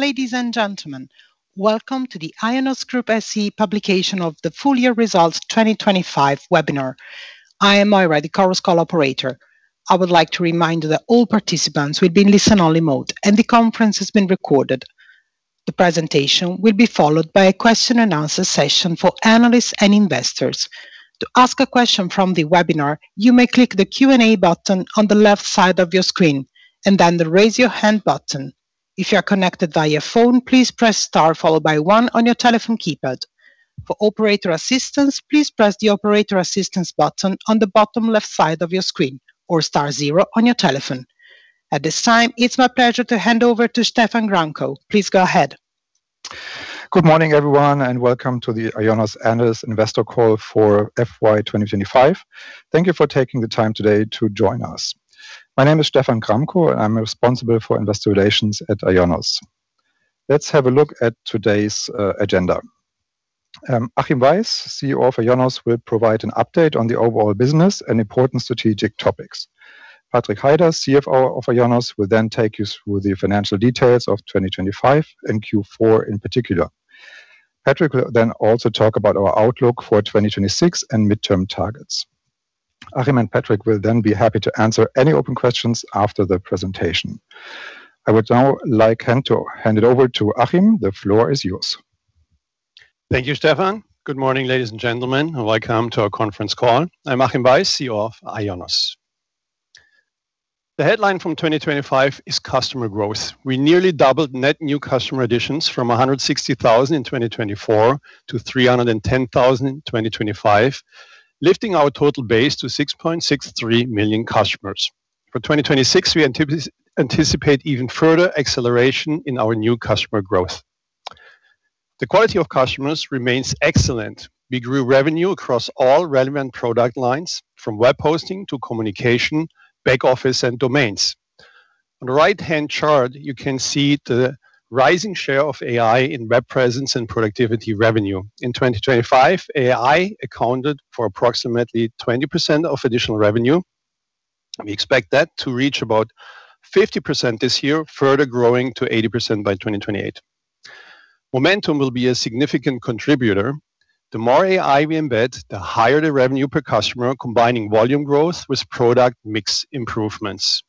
Ladies and gentlemen, welcome to the IONOS Group SE Publication of the Full Year Results 2025 webinar. I am Moira, the Chorus Call operator. I would like to remind you that all participants will be in listen-only mode, and the conference is being recorded. The presentation will be followed by a Q&A for analysts and investors. To ask a question from the webinar, you may click the Q&A button on the left side of your screen, and then the Raise Your Hand button. If you are connected via phone, please press Star followed by One on your telephone keypad. For operator assistance, please press the operator assistance button on the bottom left side of your screen or star zero on your telephone. At this time, it's my pleasure to hand over to Stephan Gramkow. Please go ahead. Good morning, everyone, and welcome to the IONOS analyst investor call for FY 2025. Thank you for taking the time today to join us. My name is Stephan Gramkow, and I'm responsible for investor relations at IONOS. Let's have a look at today's agenda. Achim Weiss, CEO of IONOS, will provide an update on the overall business and important strategic topics. Patrik Heider, CFO of IONOS, will then take you through the financial details of 2025 and Q4 in particular. Patrik will then also talk about our outlook for 2026 and midterm targets. Achim and Patrik will then be happy to answer any open questions after the presentation. I would now like hand it over to Achim. The floor is yours. Thank you, Stephan. Good morning, ladies and gentlemen. Welcome to our conference call. I'm Achim Weiss, CEO of IONOS. The headline from 2025 is customer growth. We nearly doubled net new customer additions from 160,000 in 2024 to 310,000 in 2025, lifting our total base to 6.63 million customers. For 2026, we anticipate even further acceleration in our new customer growth. The quality of customers remains excellent. We grew revenue across all relevant product lines, from web hosting to communication, back office, and domains. On the right-hand chart, you can see the rising share of AI in Web Presence & Productivity revenue. In 2025, AI accounted for approximately 20% of additional revenue. We expect that to reach about 50% this year, further growing to 80% by 2028. Momentum will be a significant contributor. The more AI we embed, the higher the revenue per customer, combining volume growth with product mix improvements.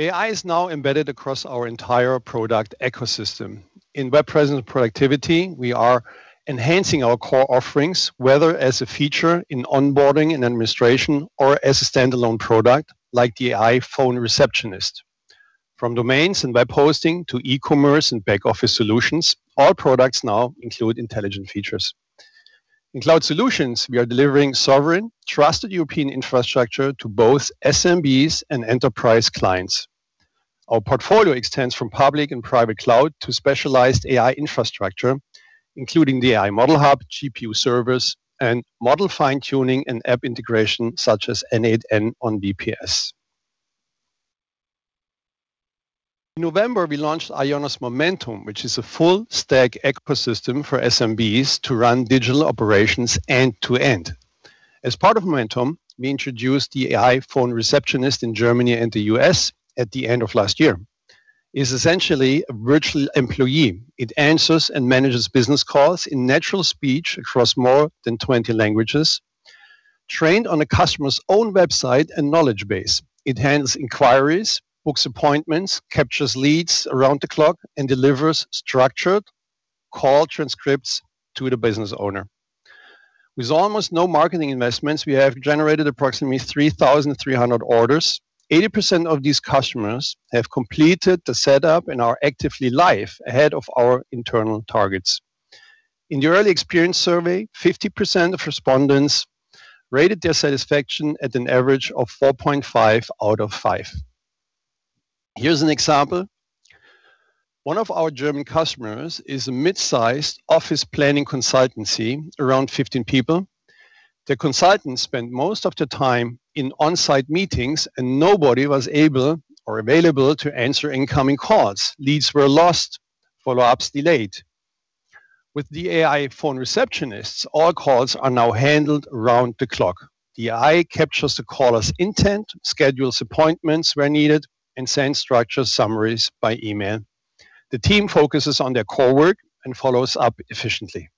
AI is now embedded across our entire product ecosystem. In Web Presence & Productivity, we are enhancing our core offerings, whether as a feature in onboarding and administration or as a standalone product like the AI Phone Receptionist. From domains and web hosting to e-commerce and back office solutions, all products now include intelligent features. In Cloud Solutions, we are delivering sovereign, trusted European infrastructure to both SMBs and enterprise clients. Our portfolio extends from public and private cloud to specialized AI infrastructure, including the AI Model Hub, GPU servers, and model fine-tuning and app integration such as n8n on VPS. In November, we launched IONOS Momentum, which is a full-stack ecosystem for SMBs to run digital operations end to end. As part of Momentum, we introduced the AI phone receptionist in Germany and the U.S. at the end of last year. It's essentially a virtual employee. It answers and manages business calls in natural speech across more than 20 languages, trained on a customer's own website and knowledge base. It handles inquiries, books appointments, captures leads around the clock, and delivers structured call transcripts to the business owner. With almost no marketing investments, we have generated approximately 3,300 orders. 80% of these customers have completed the setup and are actively live ahead of our internal targets. In the early experience survey, 50% of respondents rated their satisfaction at an average of 4.5 out of 5. Here's an example. One of our German customers is a mid-sized office planning consultancy, around 15 people. The consultants spend most of their time in on-site meetings, and nobody was able or available to answer incoming calls. Leads were lost, follow-ups delayed. With the AI phone receptionists, all calls are now handled around the clock. The AI captures the caller's intent, schedules appointments where needed, and sends structured summaries by email. The team focuses on their core work and follows up efficiently.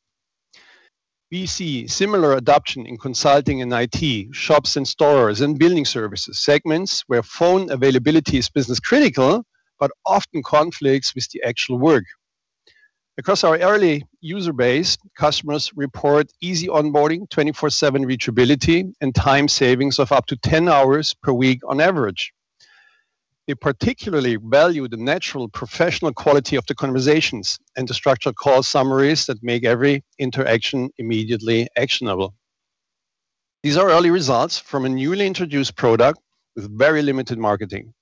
We see similar adoption in consulting and IT, shops and stores, and building services, segments where phone availability is business-critical but often conflicts with the actual work. Across our early user base, customers report easy onboarding, 24/7 reachability, and time savings of up to 10 hours per week on average. They particularly value the natural professional quality of the conversations and the structured call summaries that make every interaction immediately actionable. These are early results from a newly introduced product with very limited marketing.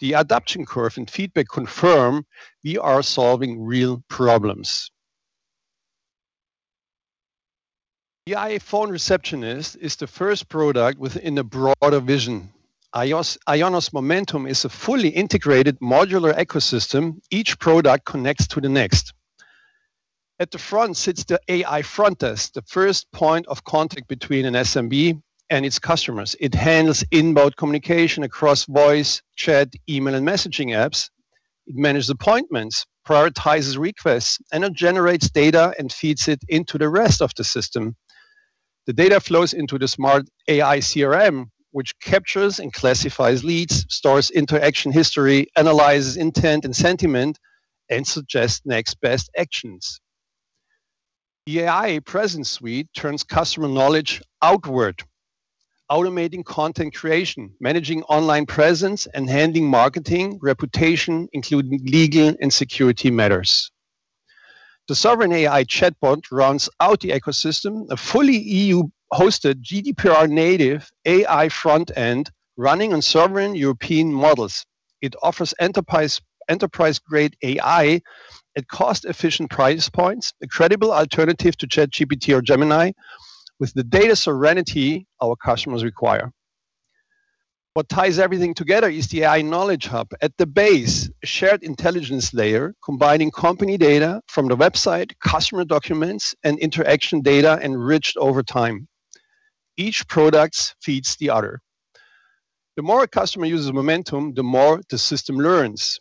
The adoption curve and feedback confirm we are solving real problems. The AI Phone Receptionist is the first product within a broader vision. IONOS Momentum is a fully integrated modular ecosystem. Each product connects to the next. At the front sits the AI front desk, the first point of contact between an SMB and its customers. It handles inbound communication across voice, chat, email, and messaging apps. It manages appointments, prioritizes requests, and it generates data and feeds it into the rest of the system. The data flows into the smart AI CRM, which captures and classifies leads, stores interaction history, analyzes intent and sentiment, and suggests next best actions. The AI Presence Suite turns customer knowledge outward, automating content creation, managing online presence, and handling marketing reputation, including legal and security matters. The sovereign AI chatbot runs on the ecosystem, a fully EU-hosted GDPR native AI front end running on sovereign European models. It offers enterprise-grade AI at cost-efficient price points, a credible alternative to ChatGPT or Gemini with the data sovereignty our customers require. What ties everything together is the AI Knowledge Hub. At the base, a shared intelligence layer combining company data from the website, customer documents, and interaction data enriched over time. Each product feeds the other. The more a customer uses Momentum, the more the system learns.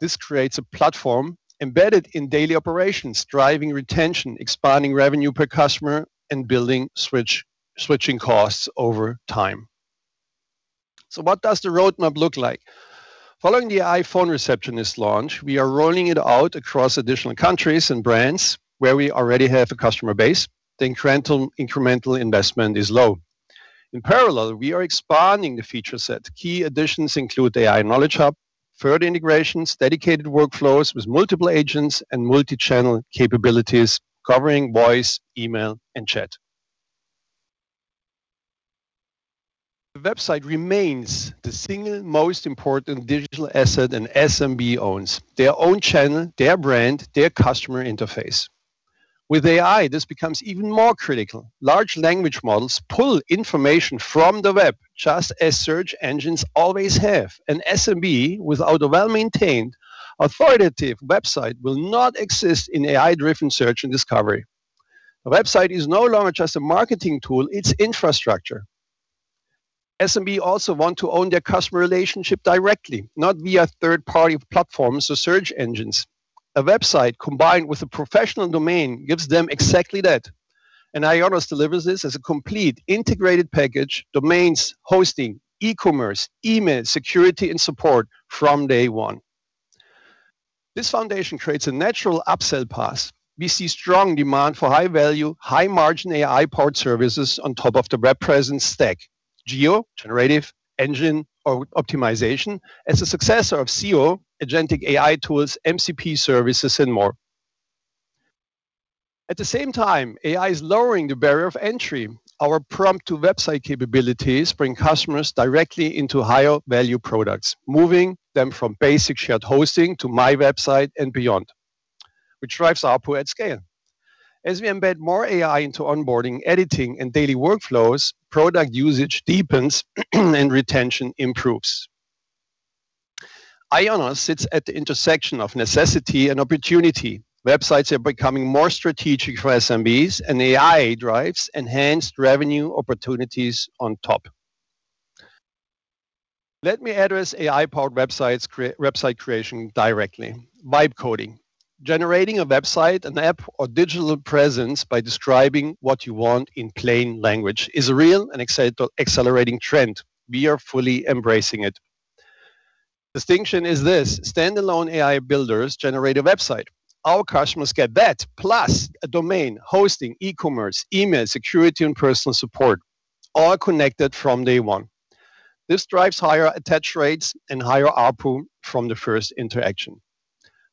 This creates a platform embedded in daily operations, driving retention, expanding revenue per customer, and building switching costs over time. What does the roadmap look like? Following the AI Phone Receptionist launch, we are rolling it out across additional countries and brands where we already have a customer base. The incremental investment is low. In parallel, we are expanding the feature set. Key additions include AI Knowledge Hub, further integrations, dedicated workflows with multiple agents, and multi-channel capabilities covering voice, email, and chat. The website remains the single most important digital asset an SMB owns, their own channel, their brand, their customer interface. With AI, this becomes even more critical. Large language models pull information from the web, just as search engines always have. An SMB without a well-maintained, authoritative website will not exist in AI-driven search and discovery. A website is no longer just a marketing tool, it's infrastructure. SMB also want to own their customer relationship directly, not via third-party platforms or search engines. A website combined with a professional domain gives them exactly that. IONOS delivers this as a complete integrated package, domains, hosting, e-commerce, email, security, and support from day one. This foundation creates a natural upsell path. We see strong demand for high-value, high-margin AI-powered services on top of the web presence stack. GEO, generative engine optimization as a successor of SEO, agentic AI tools, MCP services, and more. At the same time, AI is lowering the barrier of entry. Our prompt-to-website capabilities bring customers directly into higher value products, moving them from basic shared hosting to MyWebsite and beyond, which drives ARPU at scale. As we embed more AI into onboarding, editing, and daily workflows, product usage deepens and retention improves. IONOS sits at the intersection of necessity and opportunity. Websites are becoming more strategic for SMBs, and AI drives enhanced revenue opportunities on top. Let me address AI-powered website creation directly. Vibe coding, generating a website, an app, or digital presence by describing what you want in plain language is a real and accelerating trend. We are fully embracing it. Distinction is this, standalone AI builders generate a website. Our customers get that, plus a domain, hosting, e-commerce, email, security, and personal support, all connected from day one. This drives higher attach rates and higher ARPU from the first interaction.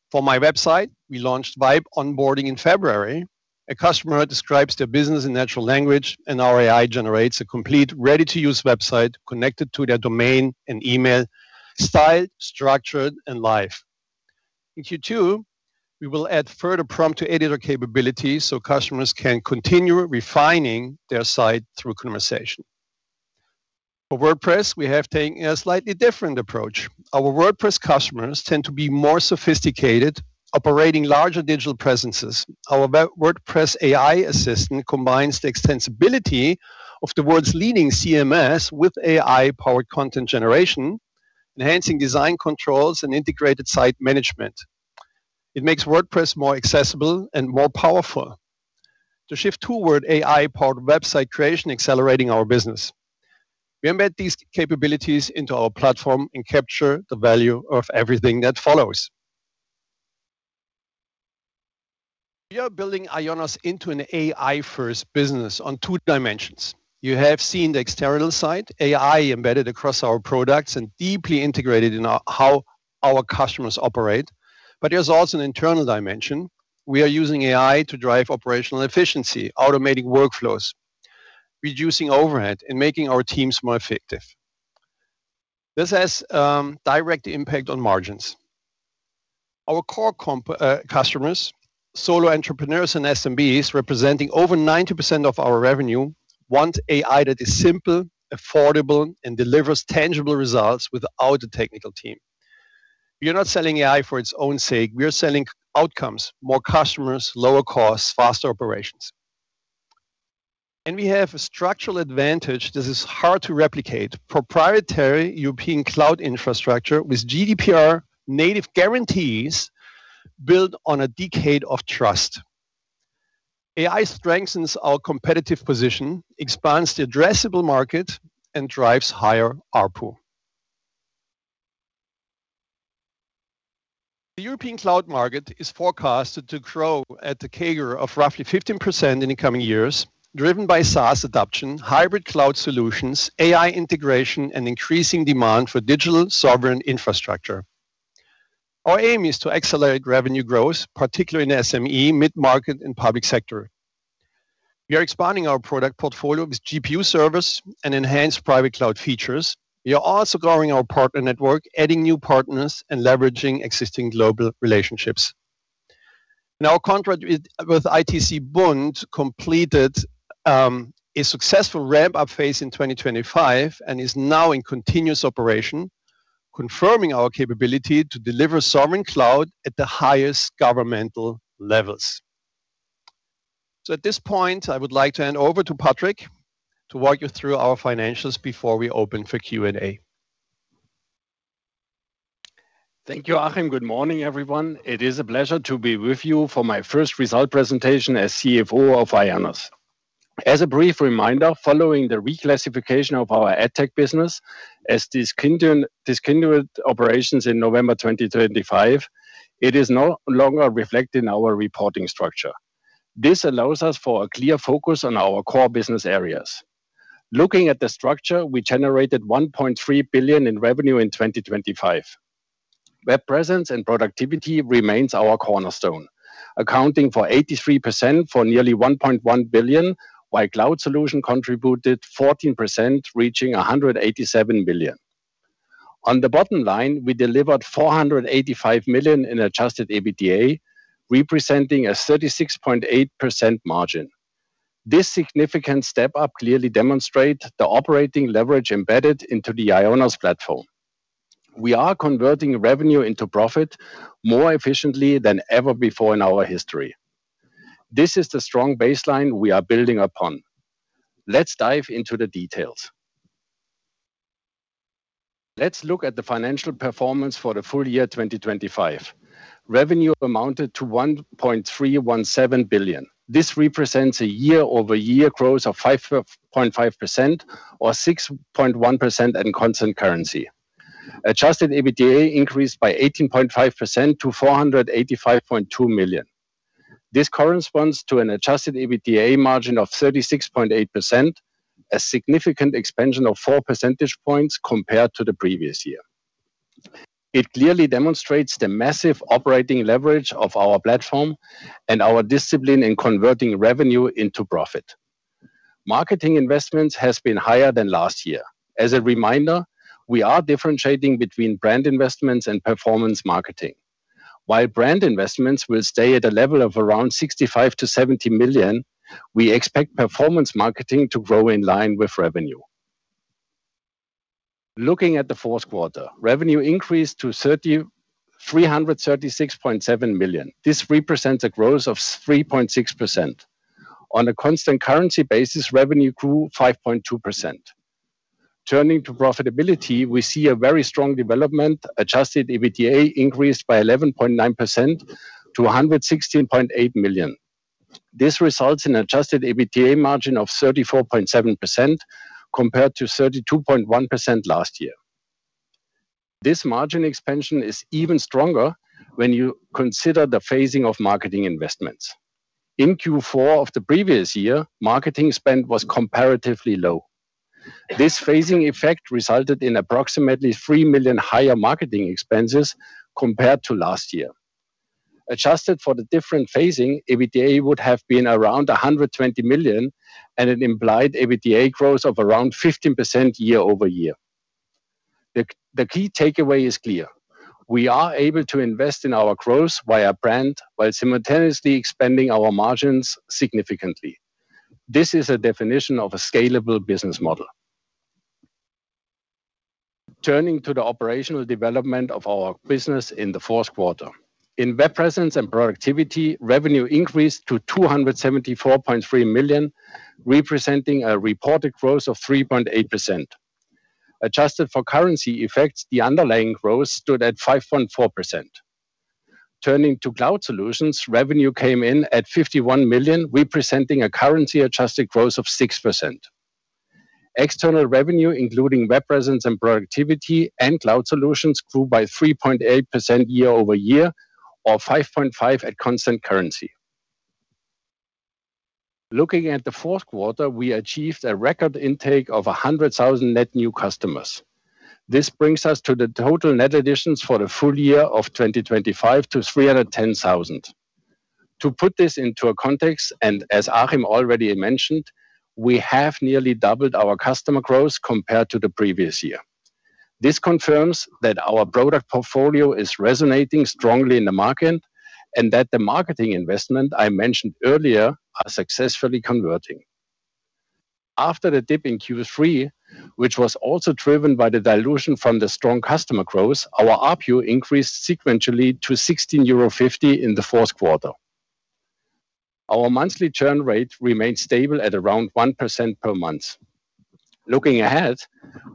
For MyWebsite, we launched Vibe onboarding in February. A customer describes their business in natural language, and our AI generates a complete ready-to-use website connected to their domain and email, styled, structured, and live. In Q2, we will add further prompt-to-editor capabilities so customers can continue refining their site through conversation. For WordPress, we have taken a slightly different approach. Our WordPress customers tend to be more sophisticated, operating larger digital presences. Our WordPress AI assistant combines the extensibility of the world's leading CMS with AI-powered content generation, enhancing design controls and integrated site management. It makes WordPress more accessible and more powerful. To shift toward AI-powered website creation accelerating our business, we embed these capabilities into our platform and capture the value of everything that follows. We are building IONOS into an AI-first business on two dimensions. You have seen the external side, AI embedded across our products and deeply integrated in how our customers operate, but there's also an internal dimension. We are using AI to drive operational efficiency, automating workflows, reducing overhead, and making our teams more effective. This has direct impact on margins. Our core customers, solo entrepreneurs and SMBs, representing over 90% of our revenue. Want AI that is simple, affordable, and delivers tangible results without a technical team. We are not selling AI for its own sake. We are selling outcomes, more customers, lower costs, faster operations. We have a structural advantage that is hard to replicate. Proprietary European cloud infrastructure with GDPR native guarantees built on a decade of trust. AI strengthens our competitive position, expands the addressable market, and drives higher ARPU. The European cloud market is forecasted to grow at the CAGR of roughly 15% in the coming years, driven by SaaS adoption, hybrid cloud solutions, AI integration, and increasing demand for digital sovereign infrastructure. Our aim is to accelerate revenue growth, particularly in SME, mid-market, and public sector. We are expanding our product portfolio with GPU service and enhanced private cloud features. We are also growing our partner network, adding new partners, and leveraging existing global relationships. Our contract with ITZBund completed a successful ramp-up phase in 2025 and is now in continuous operation, confirming our capability to deliver sovereign cloud at the highest governmental levels. At this point, I would like to hand over to Patrik Heider to walk you through our financials before we open for Q&A. Thank you, Achim. Good morning, everyone. It is a pleasure to be with you for my first result presentation as CFO of IONOS. As a brief reminder, following the reclassification of our AdTech business as discontinued operations in November 2025, it is no longer reflected in our reporting structure. This allows us for a clear focus on our core business areas. Looking at the structure, we generated 1.3 billion in revenue in 2025. Web Presence and Productivity remains our cornerstone, accounting for 83% for nearly 1.1 billion, while Cloud Solutions contributed 14%, reaching 187 million. On the bottom line, we delivered 485 million in Adjusted EBITDA, representing a 36.8% margin. This significant step-up clearly demonstrate the operating leverage embedded into the IONOS platform. We are converting revenue into profit more efficiently than ever before in our history. This is the strong baseline we are building upon. Let's dive into the details. Let's look at the financial performance for the full year 2025. Revenue amounted to 1.317 billion. This represents a YoY growth of 5.5% or 6.1% in constant currency. Adjusted EBITDA increased by 18.5% to 485.2 million. This corresponds to an Adjusted EBITDA margin of 36.8%, a significant expansion of four percentage points compared to the previous year. It clearly demonstrates the massive operating leverage of our platform and our discipline in converting revenue into profit. Marketing investments has been higher than last year. As a reminder, we are differentiating between brand investments and performance marketing. While brand investments will stay at a level of around 65 million -70 million, we expect performance marketing to grow in line with revenue. Looking at the fourth quarter, revenue increased to 3,336.7 million. This represents a growth of 3.6%. On a constant currency basis, revenue grew 5.2%. Turning to profitability, we see a very strong development. Adjusted EBITDA increased by 11.9% to 116.8 million. This results in Adjusted EBITDA margin of 34.7% compared to 32.1% last year. This margin expansion is even stronger when you consider the phasing of marketing investments. In Q4 of the previous year, marketing spend was comparatively low. This phasing effect resulted in approximately 3 million higher marketing expenses compared to last year. Adjusted for the different phasing, Adjusted EBITDA would have been around 120 million, and an implied EBITDA growth of around 15% YoY. The key takeaway is clear. We are able to invest in our growth via brand while simultaneously expanding our margins significantly. This is a definition of a scalable business model. Turning to the operational development of our business in the fourth quarter. In Web Presence & Productivity, revenue increased to 274.3 million, representing a reported growth of 3.8%. Adjusted for currency effects, the underlying growth stood at 5.4%. Turning to Cloud Solutions, revenue came in at 51 million, representing a currency-adjusted growth of 6%. External revenue, including Web Presence & Productivity and Cloud Solutions, grew by 3.8% YoY or 5.5% at constant currency. Looking at the fourth quarter, we achieved a record intake of 100,000 net new customers. This brings us to the total net additions for the full year of 2025 to 310,000. To put this into a context, and as Achim already mentioned, we have nearly doubled our customer growth compared to the previous year. This confirms that our product portfolio is resonating strongly in the market and that the marketing investment I mentioned earlier are successfully converting. After the dip in Q3, which was also driven by the dilution from the strong customer growth, our ARPU increased sequentially to 16.50 million euro in the fourth quarter. Our monthly churn rate remained stable at around 1% per month. Looking ahead,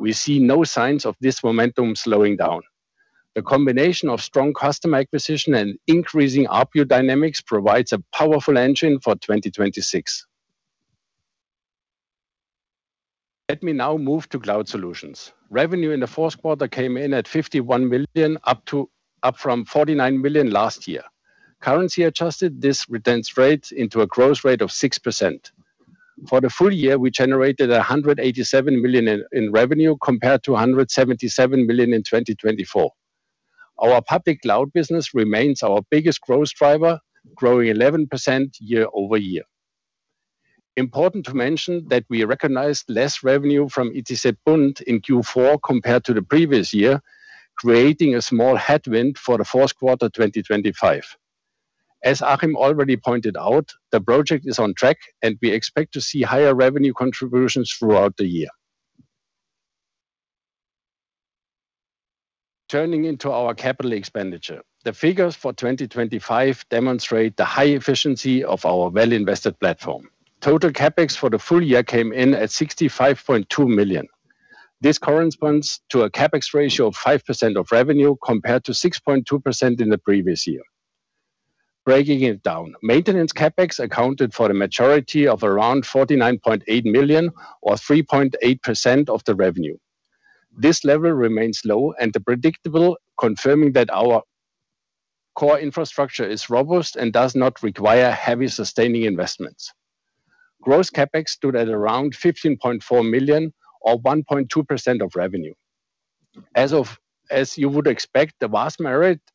we see no signs of this momentum slowing down. The combination of strong customer acquisition and increasing ARPU dynamics provides a powerful engine for 2026. Let me now move to cloud solutions. Revenue in the fourth quarter came in at 51 million up from 49 million last year. Currency adjusted, this translates into a growth rate of 6%. For the full year, we generated 187 million in revenue compared to 177 million in 2024. Our public cloud business remains our biggest growth driver, growing 11% YoY. Important to mention that we recognized less revenue from ITZBund in Q4 compared to the previous year, creating a small headwind for the fourth quarter of 2025. As Achim already pointed out, the project is on track, and we expect to see higher revenue contributions throughout the year. Turning to our CapEx. The figures for 2025 demonstrate the high efficiency of our well-invested platform. Total CapEx for the full year came in at 65.2 million. This corresponds to a CapEx ratio of 5% of revenue compared to 6.2% in the previous year. Breaking it down, maintenance CapEx accounted for the majority of around 49.8 million or 3.8% of the revenue. This level remains low and predictable, confirming that our core infrastructure is robust and does not require heavy sustaining investments. Gross CapEx stood at around 15.4 million or 1.2% of revenue. As you would expect, the vast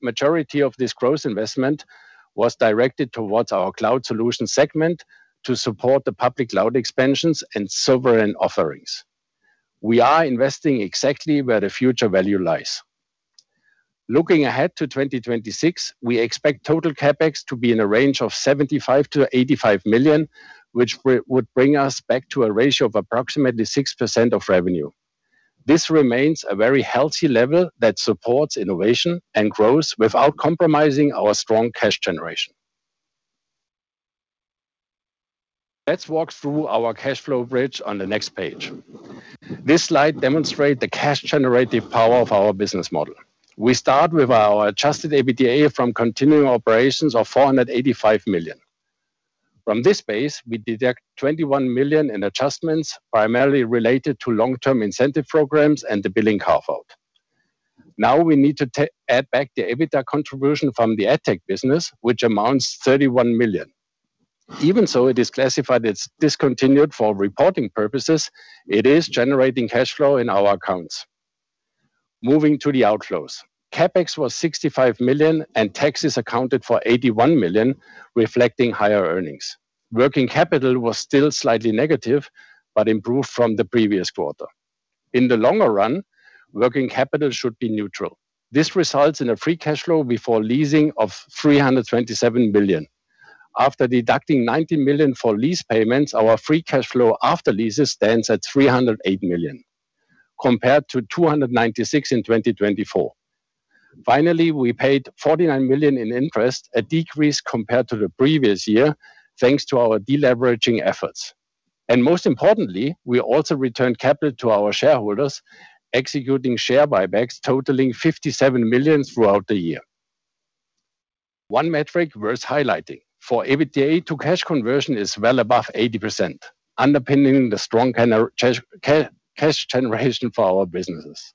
majority of this gross investment was directed towards our Cloud Solutions segment to support the public cloud expansions and sovereign offerings. We are investing exactly where the future value lies. Looking ahead to 2026, we expect total CapEx to be in a range of 75-85 million, which would bring us back to a ratio of approximately 6% of revenue. This remains a very healthy level that supports innovation and growth without compromising our strong cash generation. Let's walk through our cash flow bridge on the next page. This slide demonstrate the cash generative power of our business model. We start with our Adjusted EBITDA from continuing operations of 485 million. From this base, we deduct 21 million in adjustments primarily related to long-term incentive programs and the billing carve-out. Now we need to add back the Adjusted EBITDA contribution from the AdTech business, which amounts to 31 million. Even so it is classified as discontinued for reporting purposes, it is generating cash flow in our accounts. Moving to the outflows. CapEx was 65 million, and taxes accounted for 81 million, reflecting higher earnings. Working capital was still slightly negative but improved from the previous quarter. In the longer run, working capital should be neutral. This results in a free cash flow before leasing of 327 million. After deducting 90 million for lease payments, our free cash flow after leases stands at 308 million compared to 296 million in 2024. Finally, we paid 49 million in interest, a decrease compared to the previous year, thanks to our deleveraging efforts. Most importantly, we also returned capital to our shareholders, executing share buybacks totaling 57 million throughout the year. One metric worth highlighting for Adjusted EBITDA to cash conversion is well above 80%, underpinning the strong cash generation for our businesses.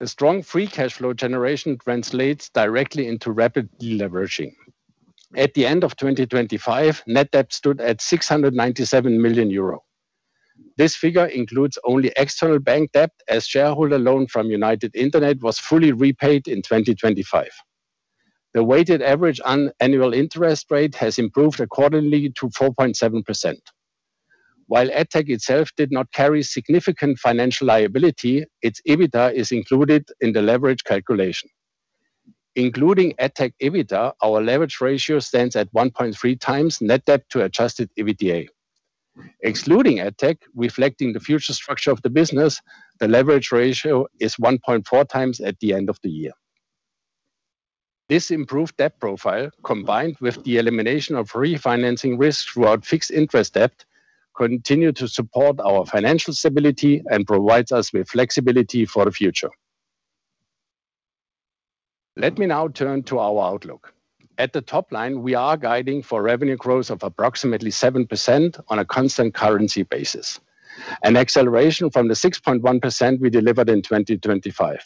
The strong free cash flow generation translates directly into rapid deleveraging. At the end of 2025, net debt stood at 697 million euro. This figure includes only external bank debt as shareholder loan from United Internet was fully repaid in 2025. The weighted average annual interest rate has improved accordingly to 4.7%. While AdTech itself did not carry significant financial liability, its Adjusted EBITDA is included in the leverage calculation. Including AdTech EBITDA, our leverage ratio stands at 1.3x net debt to Adjusted EBITDA. Excluding AdTech, reflecting the future structure of the business, the leverage ratio is 1.4x at the end of the year. This improved debt profile, combined with the elimination of refinancing risks throughout fixed interest debt, continue to support our financial stability and provides us with flexibility for the future. Let me now turn to our outlook. At the top line, we are guiding for revenue growth of approximately 7% on a constant currency basis, an acceleration from the 6.1% we delivered in 2025.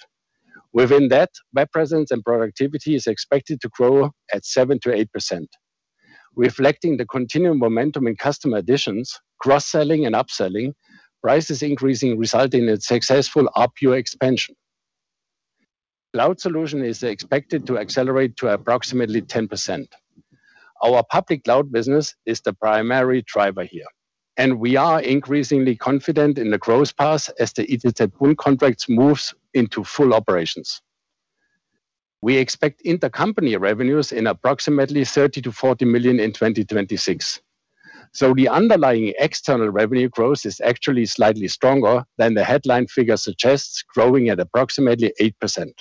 Within that, Web Presence & Productivity is expected to grow at 7%-8%, reflecting the continuing momentum in customer additions, cross-selling and upselling, prices increasing, resulting in successful ARPU expansion. Cloud Solutions is expected to accelerate to approximately 10%. Our public cloud business is the primary driver here, and we are increasingly confident in the growth path as the ITZBund pool contracts move into full operations. We expect intercompany revenues in approximately 30 million- 40 million in 2026. The underlying external revenue growth is actually slightly stronger than the headline figure suggests, growing at approximately 8%.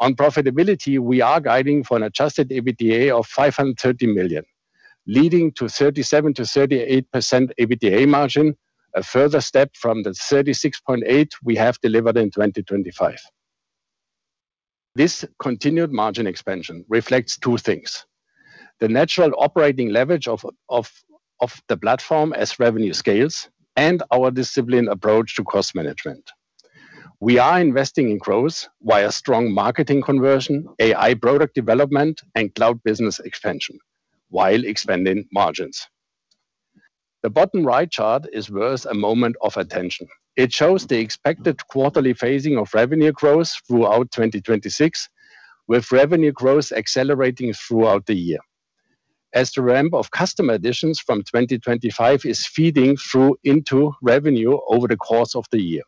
On profitability, we are guiding for an Adjusted EBITDA of 530 million, leading to 37%-38% EBITDA margin, a further step from the 36.8% we have delivered in 2025. This continued margin expansion reflects two things, the natural operating leverage of the platform as revenue scales and our disciplined approach to cost management. We are investing in growth via strong marketing conversion, AI product development, and cloud business expansion while expanding margins. The bottom right chart is worth a moment of attention. It shows the expected quarterly phasing of revenue growth throughout 2026, with revenue growth accelerating throughout the year. As the ramp of customer additions from 2025 is feeding through into revenue over the course of the year.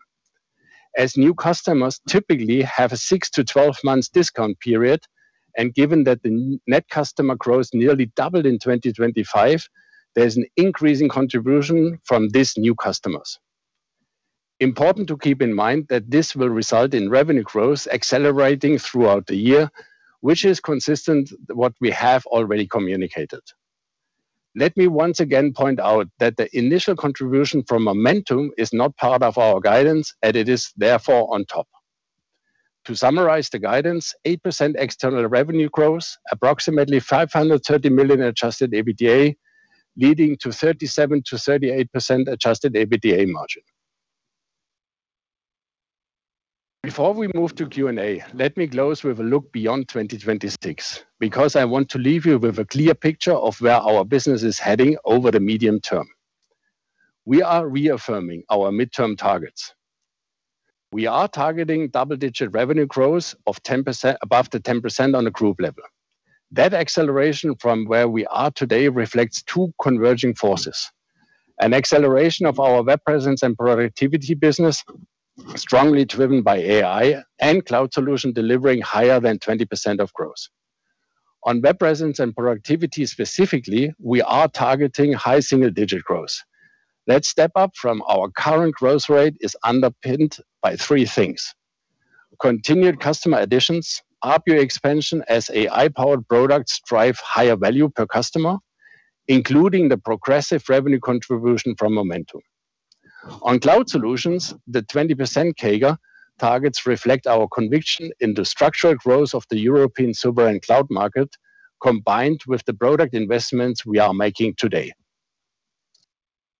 As new customers typically have a six month-12 month discount period, and given that the net customer growth nearly doubled in 2025, there's an increasing contribution from these new customers. Important to keep in mind that this will result in revenue growth accelerating throughout the year, which is consistent with what we have already communicated. Let me once again point out that the initial contribution from Momentum is not part of our guidance, and it is therefore on top. To summarize the guidance, 8% external revenue growth, approximately 530 million Adjusted EBITDA, leading to 37%-38% Adjusted EBITDA margin. Before we move to Q&A, let me close with a look beyond 2026, because I want to leave you with a clear picture of where our business is heading over the medium term. We are reaffirming our midterm targets. We are targeting double-digit revenue growth of 10% above the 10% on a group level. That acceleration from where we are today reflects two converging forces, an acceleration of our Web Presence & Productivity business, strongly driven by AI, and Cloud Solutions delivering higher than 20% growth. On Web Presence & Productivity specifically, we are targeting high single-digit growth. That step up from our current growth rate is underpinned by three things, continued customer additions, ARPU expansion as AI-powered products drive higher value per customer, including the progressive revenue contribution from Momentum. On Cloud Solutions, the 20% CAGR targets reflect our conviction in the structural growth of the European server and cloud market, combined with the product investments we are making today.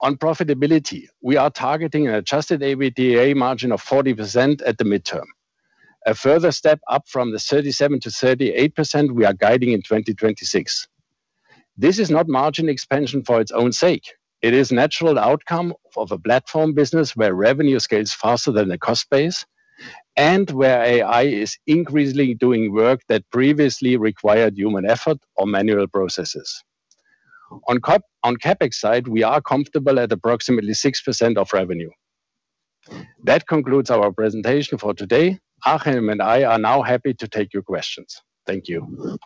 On profitability, we are targeting an Adjusted EBITDA margin of 40% at the midterm, a further step up from the 37%-38% we are guiding in 2026. This is not margin expansion for its own sake. It is natural outcome of a platform business where revenue scales faster than the cost base and where AI is increasingly doing work that previously required human effort or manual processes. On CapEx side, we are comfortable at approximately 6% of revenue. That concludes our presentation for today. Achim and I are now happy to take your questions. Thank you.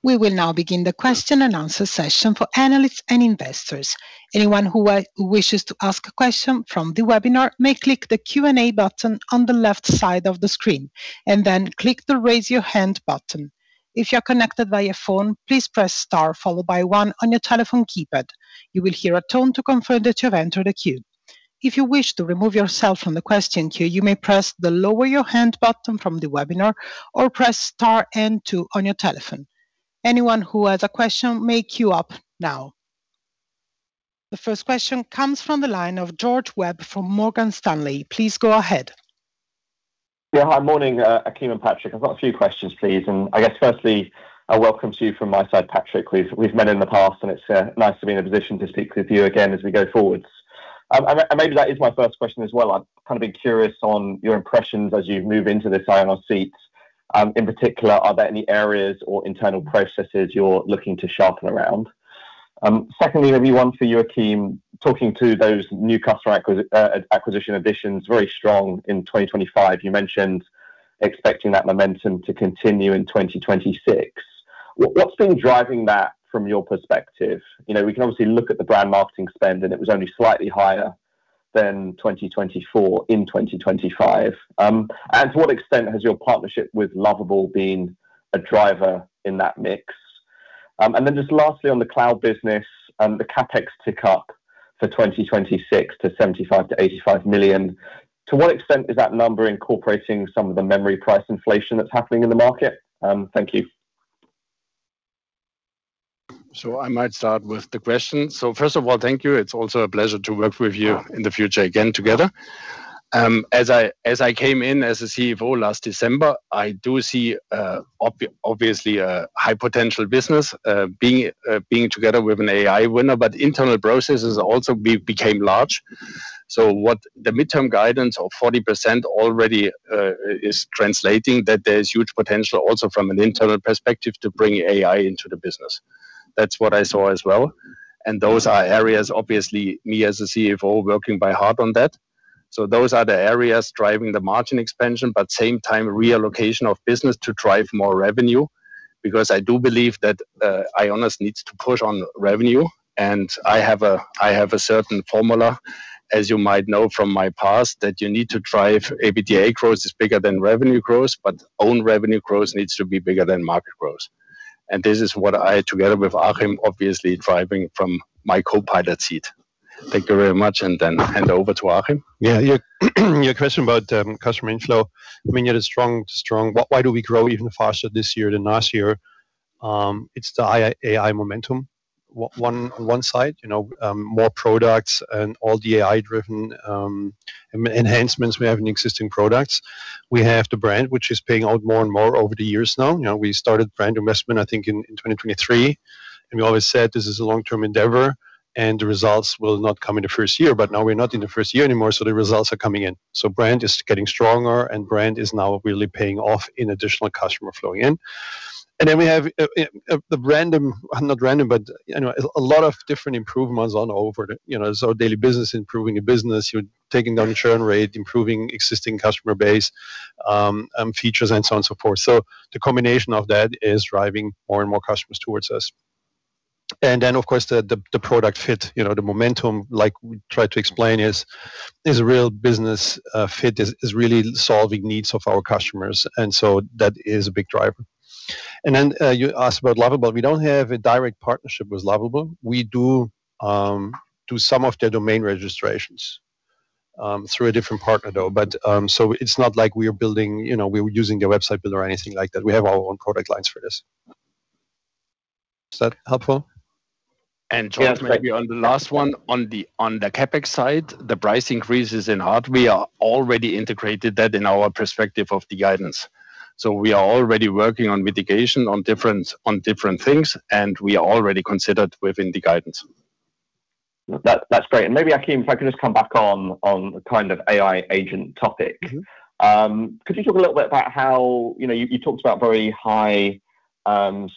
We will now begin the question and answer session for analysts and investors. Anyone who wishes to ask a question from the webinar may click the Q&A button on the left side of the screen and then click the Raise Your Hand button. If you are connected via phone, please press star followed by one on your telephone keypad. You will hear a tone to confirm that you have entered a queue. If you wish to remove yourself from the question queue, you may press the Lower Your Hand button from the webinar or press star and two on your telephone. Anyone who has a question may queue up now. The first question comes from the line of George Webb from Morgan Stanley. Please go ahead. Yeah. Hi. Morning, Achim and Patrik. I've got a few questions, please. I guess firstly, a welcome to you from my side, Patrik. We've met in the past, and it's nice to be in a position to speak with you again as we go forwards. Maybe that is my first question as well. I'm kind of curious on your impressions as you move into this IR seat. In particular, are there any areas or internal processes you're looking to sharpen around? Secondly, maybe one for you, Achim. Talking to those new customer acquisition additions, very strong in 2025. You mentioned expecting that momentum to continue in 2026. What's been driving that from your perspective? You know, we can obviously look at the brand marketing spend, and it was only slightly higher than 2024 in 2025. To what extent has your partnership with Lovable been a driver in that mix? Just lastly, on the cloud business and the CapEx tick-up for 2026 to 75-85 million, to what extent is that number incorporating some of the memory price inflation that's happening in the market? Thank you. I might start with the question. First of all, thank you. It's also a pleasure to work with you in the future again together. As I came in as the CFO last December, I do see obviously a high potential business being together with an AI winner. But internal processes also became large. What the midterm guidance of 40% already is translating that there's huge potential also from an internal perspective to bring AI into the business. That's what I saw as well, and those are areas obviously me as a CFO working hard on that. Those are the areas driving the margin expansion, but at the same time reallocation of business to drive more revenue. Because I do believe that IONOS needs to push on revenue. I have a certain formula, as you might know from my past, that you need to drive EBITDA growth is bigger than revenue growth, but own revenue growth needs to be bigger than market growth. This is what I, together with Achim, obviously driving from my co-pilot seat. Thank you very much, and then hand over to Achim. Yeah. Your question about customer inflow. I mean, it is strong. Why do we grow even faster this year than last year? It's the AI Momentum on one side. You know, more products and all the AI-driven enhancements we have in existing products. We have the brand, which is paying out more and more over the years now. You know, we started brand investment I think in 2023, and we always said this is a long-term endeavor, and the results will not come in the first year. Now we're not in the first year anymore, so the results are coming in. Brand is getting stronger and brand is now really paying off in additional customer flowing in. We have not random, but you know, a lot of different improvements in our daily business, improving your business, you're taking down churn rate, improving existing customer base, features and so on and so forth. The combination of that is driving more and more customers towards us. Of course the product fit, you know, the Momentum like we try to explain is real business fit really solving needs of our customers, and that is a big driver. You asked about Lovable. We don't have a direct partnership with Lovable. We do some of their domain registrations through a different partner though. It's not like we are building, you know, we're using their website builder or anything like that. We have our own product lines for this. Is that helpful? Just maybe on the last one, on the CapEx side, the price increases in hardware are already integrated that in our perspective of the guidance. We are already working on mitigation on different things, and we are already considered within the guidance. That, that's great. Maybe Achim, if I could just come back on the kind of AI agent topic. Could you talk a little bit about how, you know, you talked about very high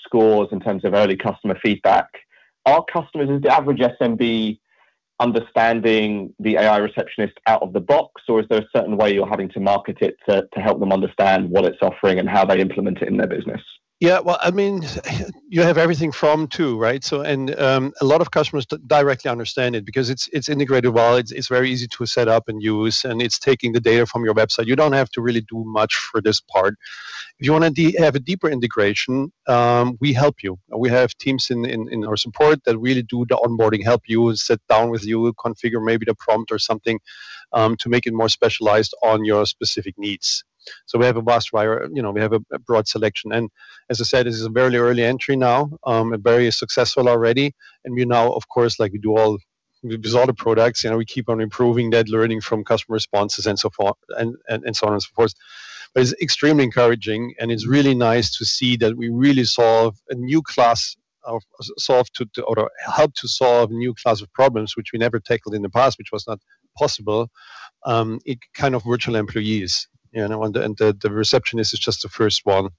scores in terms of early customer feedback. Are customers and the average SMB understanding the AI Receptionist out of the box or is there a certain way you're having to market it to help them understand what it's offering and how they implement it in their business? Yeah. Well, I mean, you have everything from two, right? A lot of customers directly understand it because it's integrated well, it's very easy to set up and use, and it's taking the data from your website. You don't have to really do much for this part. If you wanna have a deeper integration, we help you. We have teams in our support that really do the onboarding, help you, sit down with you, configure maybe the prompt or something to make it more specialized on your specific needs. So we have a vast variety, you know, we have a broad selection. As I said, this is a very early Entri now, and very successful already. We now, of course, like we do all, with all the products, you know, we keep on improving that, learning from customer responses and so on and so forth. It's extremely encouraging, and it's really nice to see that we really solve a new class of or help to solve a new class of problems which we never tackled in the past, which was not possible. It kind of virtual employees, you know, and the receptionist is just the first one.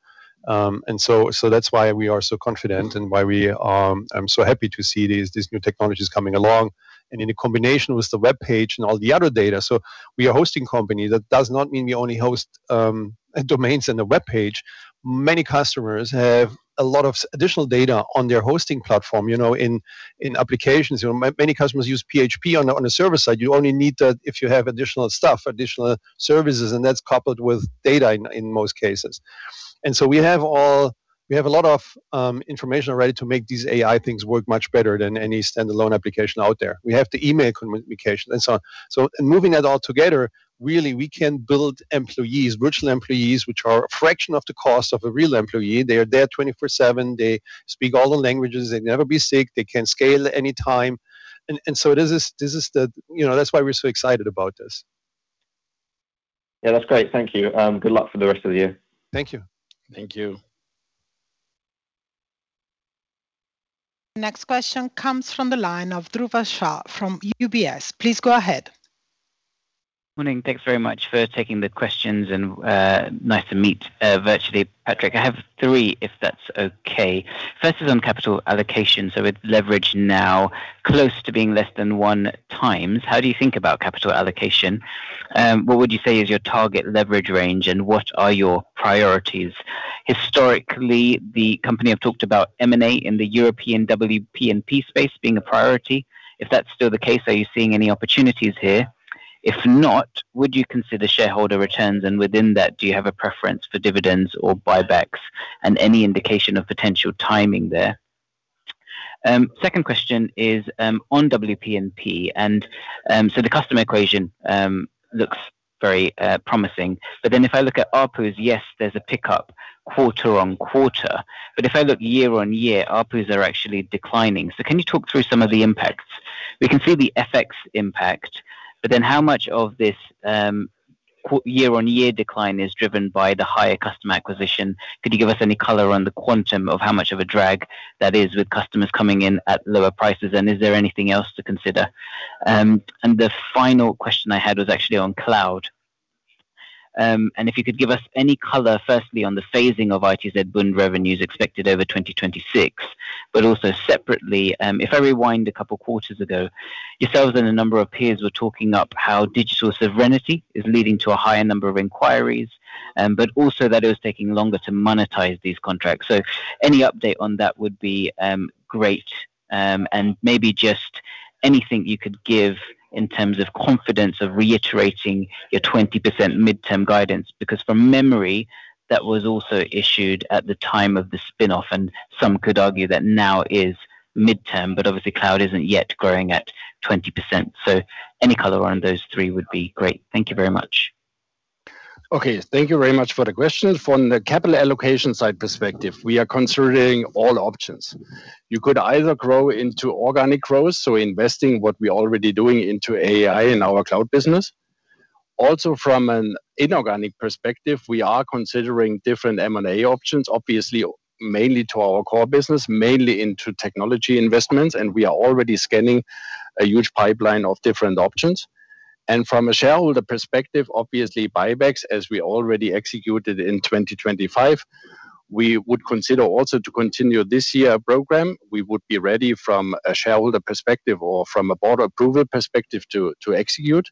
That's why we are so confident and why we are so happy to see these new technologies coming along. In a combination with the webpage and all the other data. We are a hosting company, that does not mean we only host domains and a webpage. Many customers have a lot of additional data on their hosting platform, you know, in applications. You know, many customers use PHP on a server side. You only need that if you have additional stuff, additional services, and that's coupled with data in most cases. We have a lot of information already to make these AI things work much better than any standalone application out there. We have the email communication and so on. In moving that all together, really, we can build employees, virtual employees, which are a fraction of the cost of a real employee. They are there 24/7. They speak all the languages. They never be sick. They can scale any time. This is, you know, that's why we're so excited about this. Yeah, that's great. Thank you. Good luck for the rest of the year. Thank you. Thank you. Next question comes from the line of Dhruva Shah from UBS. Please go ahead. Morning. Thanks very much for taking the questions and, nice to meet, virtually, Patrik. I have three, if that's okay. First is on capital allocation, so with leverage now close to being less than one times. How do you think about capital allocation? What would you say is your target leverage range, and what are your priorities? Historically, the company have talked about M&A in the European WP&P space being a priority. If that's still the case, are you seeing any opportunities here? If not, would you consider shareholder returns? And within that, do you have a preference for dividends or buybacks? And any indication of potential timing there? Second question is on WP&P. The customer equation looks very promising. But then if I look at ARPU, yes, there's a pickup quarter-over-quarter. If I look YoY, ARPUs are actually declining. Can you talk through some of the impacts? We can see the FX impact, but then how much of this YoY decline is driven by the higher customer acquisition. Could you give us any color on the quantum of how much of a drag that is with customers coming in at lower prices, and is there anything else to consider? The final question I had was actually on cloud. If you could give us any color, firstly, on the phasing of ITZBund revenues expected over 2026, but also separately, if I rewind a couple quarters ago, yourselves and a number of peers were talking up how data sovereignty is leading to a higher number of inquiries, but also that it was taking longer to monetize these contracts. Any update on that would be great. Maybe just anything you could give in terms of confidence of reiterating your 20% midterm guidance, because from memory, that was also issued at the time of the spin-off, and some could argue that now is midterm, but obviously cloud isn't yet growing at 20%. Any color on those three would be great. Thank you very much. Okay. Thank you very much for the question. From the capital allocation side perspective, we are considering all options. You could either grow into organic growth, so investing what we're already doing into AI in our cloud business. Also from an inorganic perspective, we are considering different M&A options, obviously mainly to our core business, mainly into technology investments, and we are already scanning a huge pipeline of different options. From a shareholder perspective, obviously buybacks, as we already executed in 2025, we would consider also to continue this year program. We would be ready from a shareholder perspective or from a board approval perspective to execute,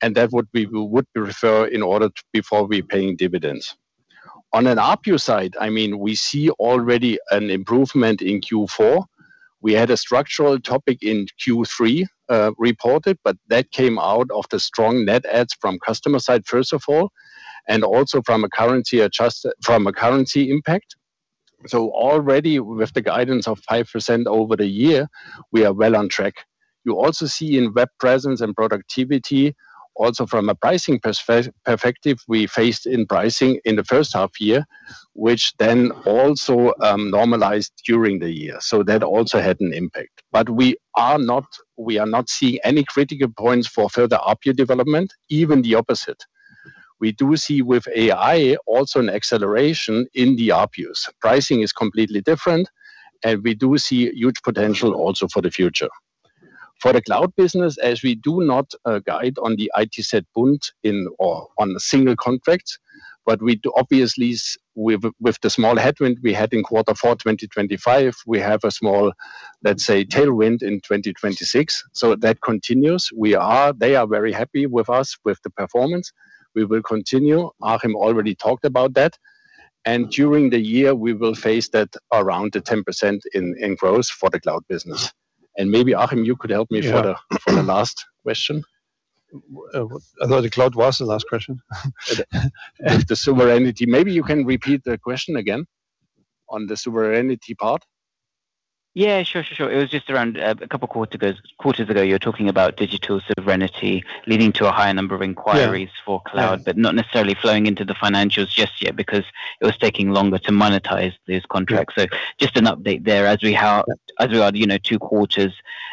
and that what we would prefer in order to before we paying dividends. On an ARPU side, I mean, we see already an improvement in Q4. We had a structural topic in Q3 reported, but that came out of the strong net adds from customer side, first of all, and also from a currency impact. Already with the guidance of 5% over the year, we are well on track. You also see in Web Presence & Productivity, also from a pricing perspective, we had headwinds in pricing in the first half year, which then also normalized during the year. That also had an impact. But we are not seeing any critical points for further ARPU development, even the opposite. We do see with AI also an acceleration in the ARPUs. Pricing is completely different, and we do see huge potential also for the future. For the cloud business, as we do not guide on the ITZBund in or on a single contract, but we do obviously with the small headwind we had in quarter four 2025, we have a small, let's say, tailwind in 2026. That continues. They are very happy with us, with the performance. We will continue. Achim already talked about that. During the year, we will face that around the 10% in growth for the cloud business. Maybe, Achim, you could help me. Yeah. for the last question. I thought the cloud was the last question. The sovereignty. Maybe you can repeat the question again on the sovereignty part. Yeah, sure. It was just around a couple quarters ago, you were talking about digital sovereignty leading to a higher number of inquiries. Yeah. for cloud, but not necessarily flowing into the financials just yet because it was taking longer to monetize these contracts. Yeah. Just an update there as we are, you know, two quarters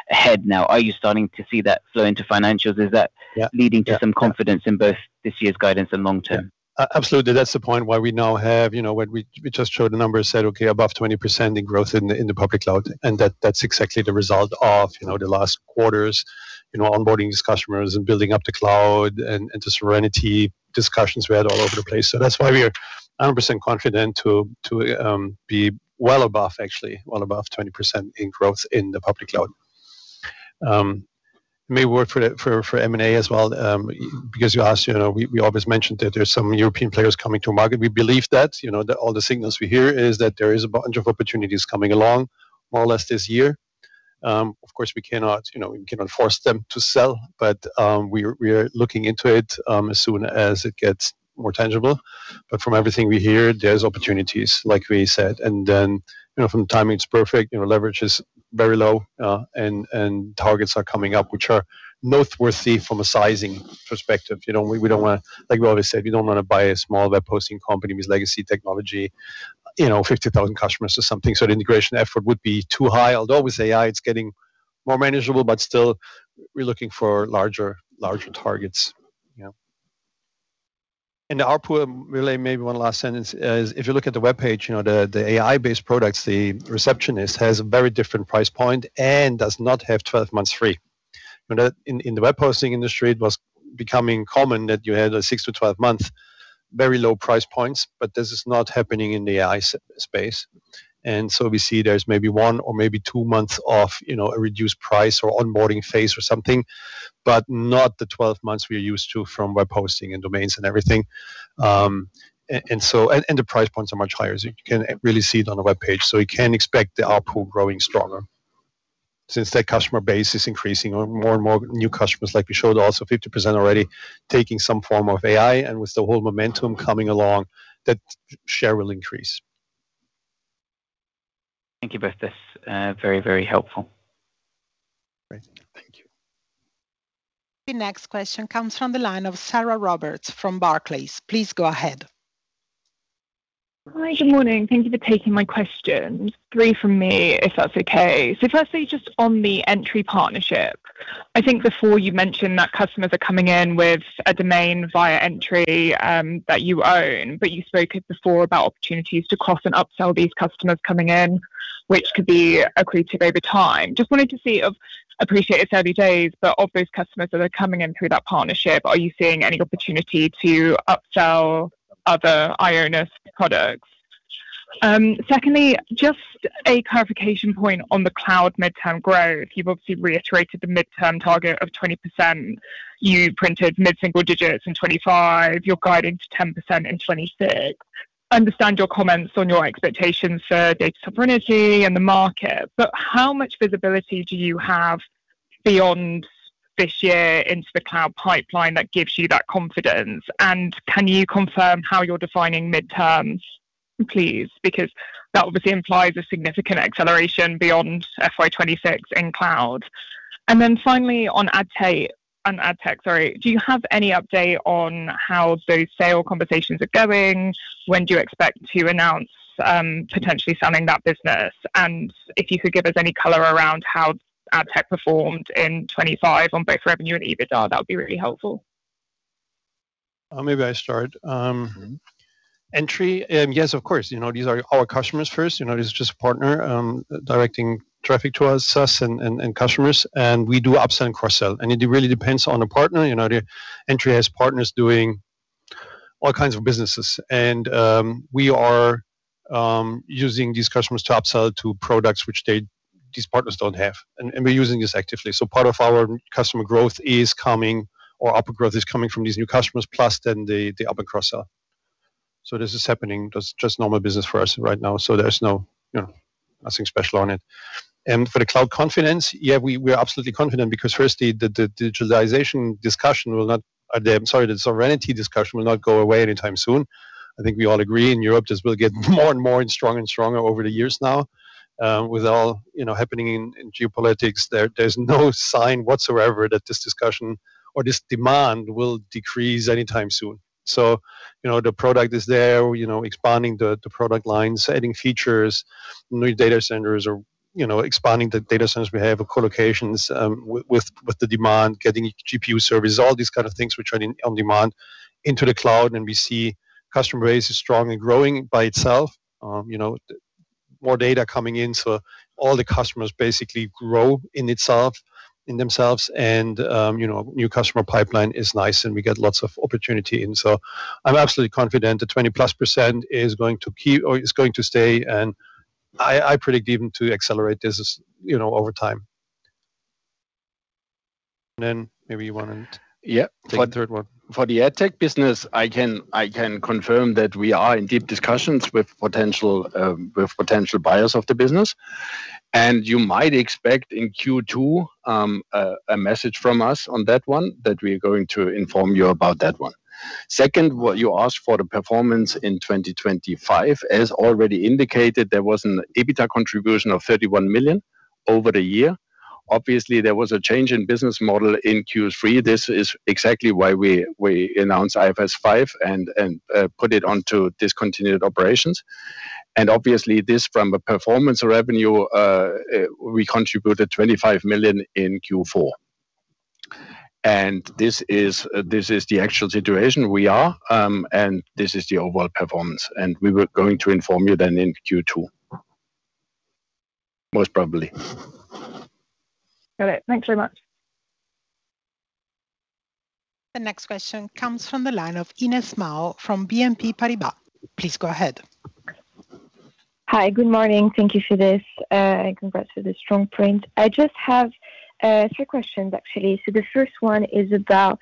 ahead now. Are you starting to see that flow into financials? Is that- Yeah, yeah. Leading to some confidence in both this year's guidance and long term? Absolutely. That's the point why we now have, you know, when we just showed the numbers, said okay, above 20% in growth in the public cloud. That's exactly the result of, you know, the last quarters, you know, onboarding these customers and building up the cloud and the sovereignty discussions we had all over the place. That's why we are 100% confident to be well above, actually, well above 20% in growth in the public cloud. It may work for M&A as well, because you asked, you know, we always mentioned that there's some European players coming to market. We believe that, you know, all the signals we hear is that there is a bunch of opportunities coming along more or less this year. Of course, we cannot, you know, we cannot force them to sell, but we're looking into it as soon as it gets more tangible. From everything we hear, there's opportunities, like we said. Then, you know, from timing, it's perfect. You know, leverage is very low, and targets are coming up, which are noteworthy from a sizing perspective. You know, we don't wanna. Like we always said, we don't wanna buy a small web hosting company with legacy technology, you know, 50,000 customers or something. The integration effort would be too high. Although with AI, it's getting more manageable, but still, we're looking for larger targets, you know. In the ARPU, really maybe one last sentence is, if you look at the webpage, the AI-based products, the receptionist has a very different price point and does not have 12 months free. In the web hosting industry, it was becoming common that you had a 6-12-month very low price points, but this is not happening in the AI space. We see there's maybe one or maybe two months of a reduced price or onboarding phase or something, but not the 12 months we're used to from web hosting and domains and everything. The price points are much higher, as you can really see it on the webpage. We can expect the ARPU growing stronger since their customer base is increasing or more and more new customers, like we showed also 50% already taking some form of AI and with the whole Momentum coming along, that share will increase. Thank you both. That's very, very helpful. Great. Thank you. The next question comes from the line of Sarah Roberts from Barclays. Please go ahead. Hi, good morning. Thank you for taking my question. Three from me, if that's okay. Firstly, just on the Entri partnership, I think before you mentioned that customers are coming in with a domain via Entri, that you own, but you spoke before about opportunities to cross and upsell these customers coming in, which could be accretive over time. Appreciate it's early days, but of those customers that are coming in through that partnership, are you seeing any opportunity to upsell other IONOS products? Secondly, just a clarification point on the cloud midterm growth. You've obviously reiterated the midterm target of 20%. You printed mid-single digits in 2025. You're guiding to 10% in 2026. Understand your comments on your expectations for data sovereignty and the market. How much visibility do you have beyond this year into the cloud pipeline that gives you that confidence? Can you confirm how you're defining midterms, please? Because that obviously implies a significant acceleration beyond FY 26 in cloud. Finally on AdTech, sorry, do you have any update on how those sale conversations are going? When do you expect to announce potentially selling that business? If you could give us any color around how AdTech performed in 25 on both revenue and EBITDA, that would be really helpful. Maybe I start. Entri, yes, of course. You know, these are our customers first. You know, this is just a partner directing traffic to us and customers, and we do upsell and cross-sell. It really depends on the partner. You know, the Entri has partners doing all kinds of businesses. We are using these customers to upsell to products which they, these partners don't have, and we're using this actively. Part of our customer growth is coming or our growth is coming from these new customers, plus the up and cross-sell. This is happening. That's just normal business for us right now. There's no, you know, nothing special on it. For the cloud confidence, yeah, we are absolutely confident because firstly, the sovereignty discussion will not go away anytime soon. I think we all agree in Europe this will get more and more and stronger and stronger over the years now. With all you know happening in geopolitics, there's no sign whatsoever that this discussion or this demand will decrease anytime soon. You know, the product is there. We you know expanding the product lines, adding features, new data centers or you know expanding the data centers we have or collocations with the demand, getting GPU services, all these kind of things which are in high demand in the cloud. We see customer base is strongly growing by itself. You know, more data coming in, so all the customers basically grow in itself, in themselves. You know, new customer pipeline is nice, and we get lots of opportunity. I'm absolutely confident the 20%+ is going to keep or is going to stay, and I predict even to accelerate this, you know, over time. Maybe you want to Yeah. The third one. For the AdTech business, I can confirm that we are in deep discussions with potential buyers of the business. You might expect in Q2 a message from us on that one, that we are going to inform you about that one. Second, what you asked for the performance in 2025, as already indicated, there was an EBITDA contribution of 31 million over the year. Obviously, there was a change in business model in Q3. This is exactly why we announced IFRS five and put it onto discontinued operations. Obviously, this from a performance revenue, we contributed 25 million in Q4. This is the actual situation we are, and this is the overall performance, and we were going to inform you then in Q2, most probably. Got it. Thanks very much. The next question comes from the line of Inès Mao from BNP Paribas. Please go ahead. Hi, good morning. Thank you for this. Congrats for the strong print. I just have three questions, actually. The first one is about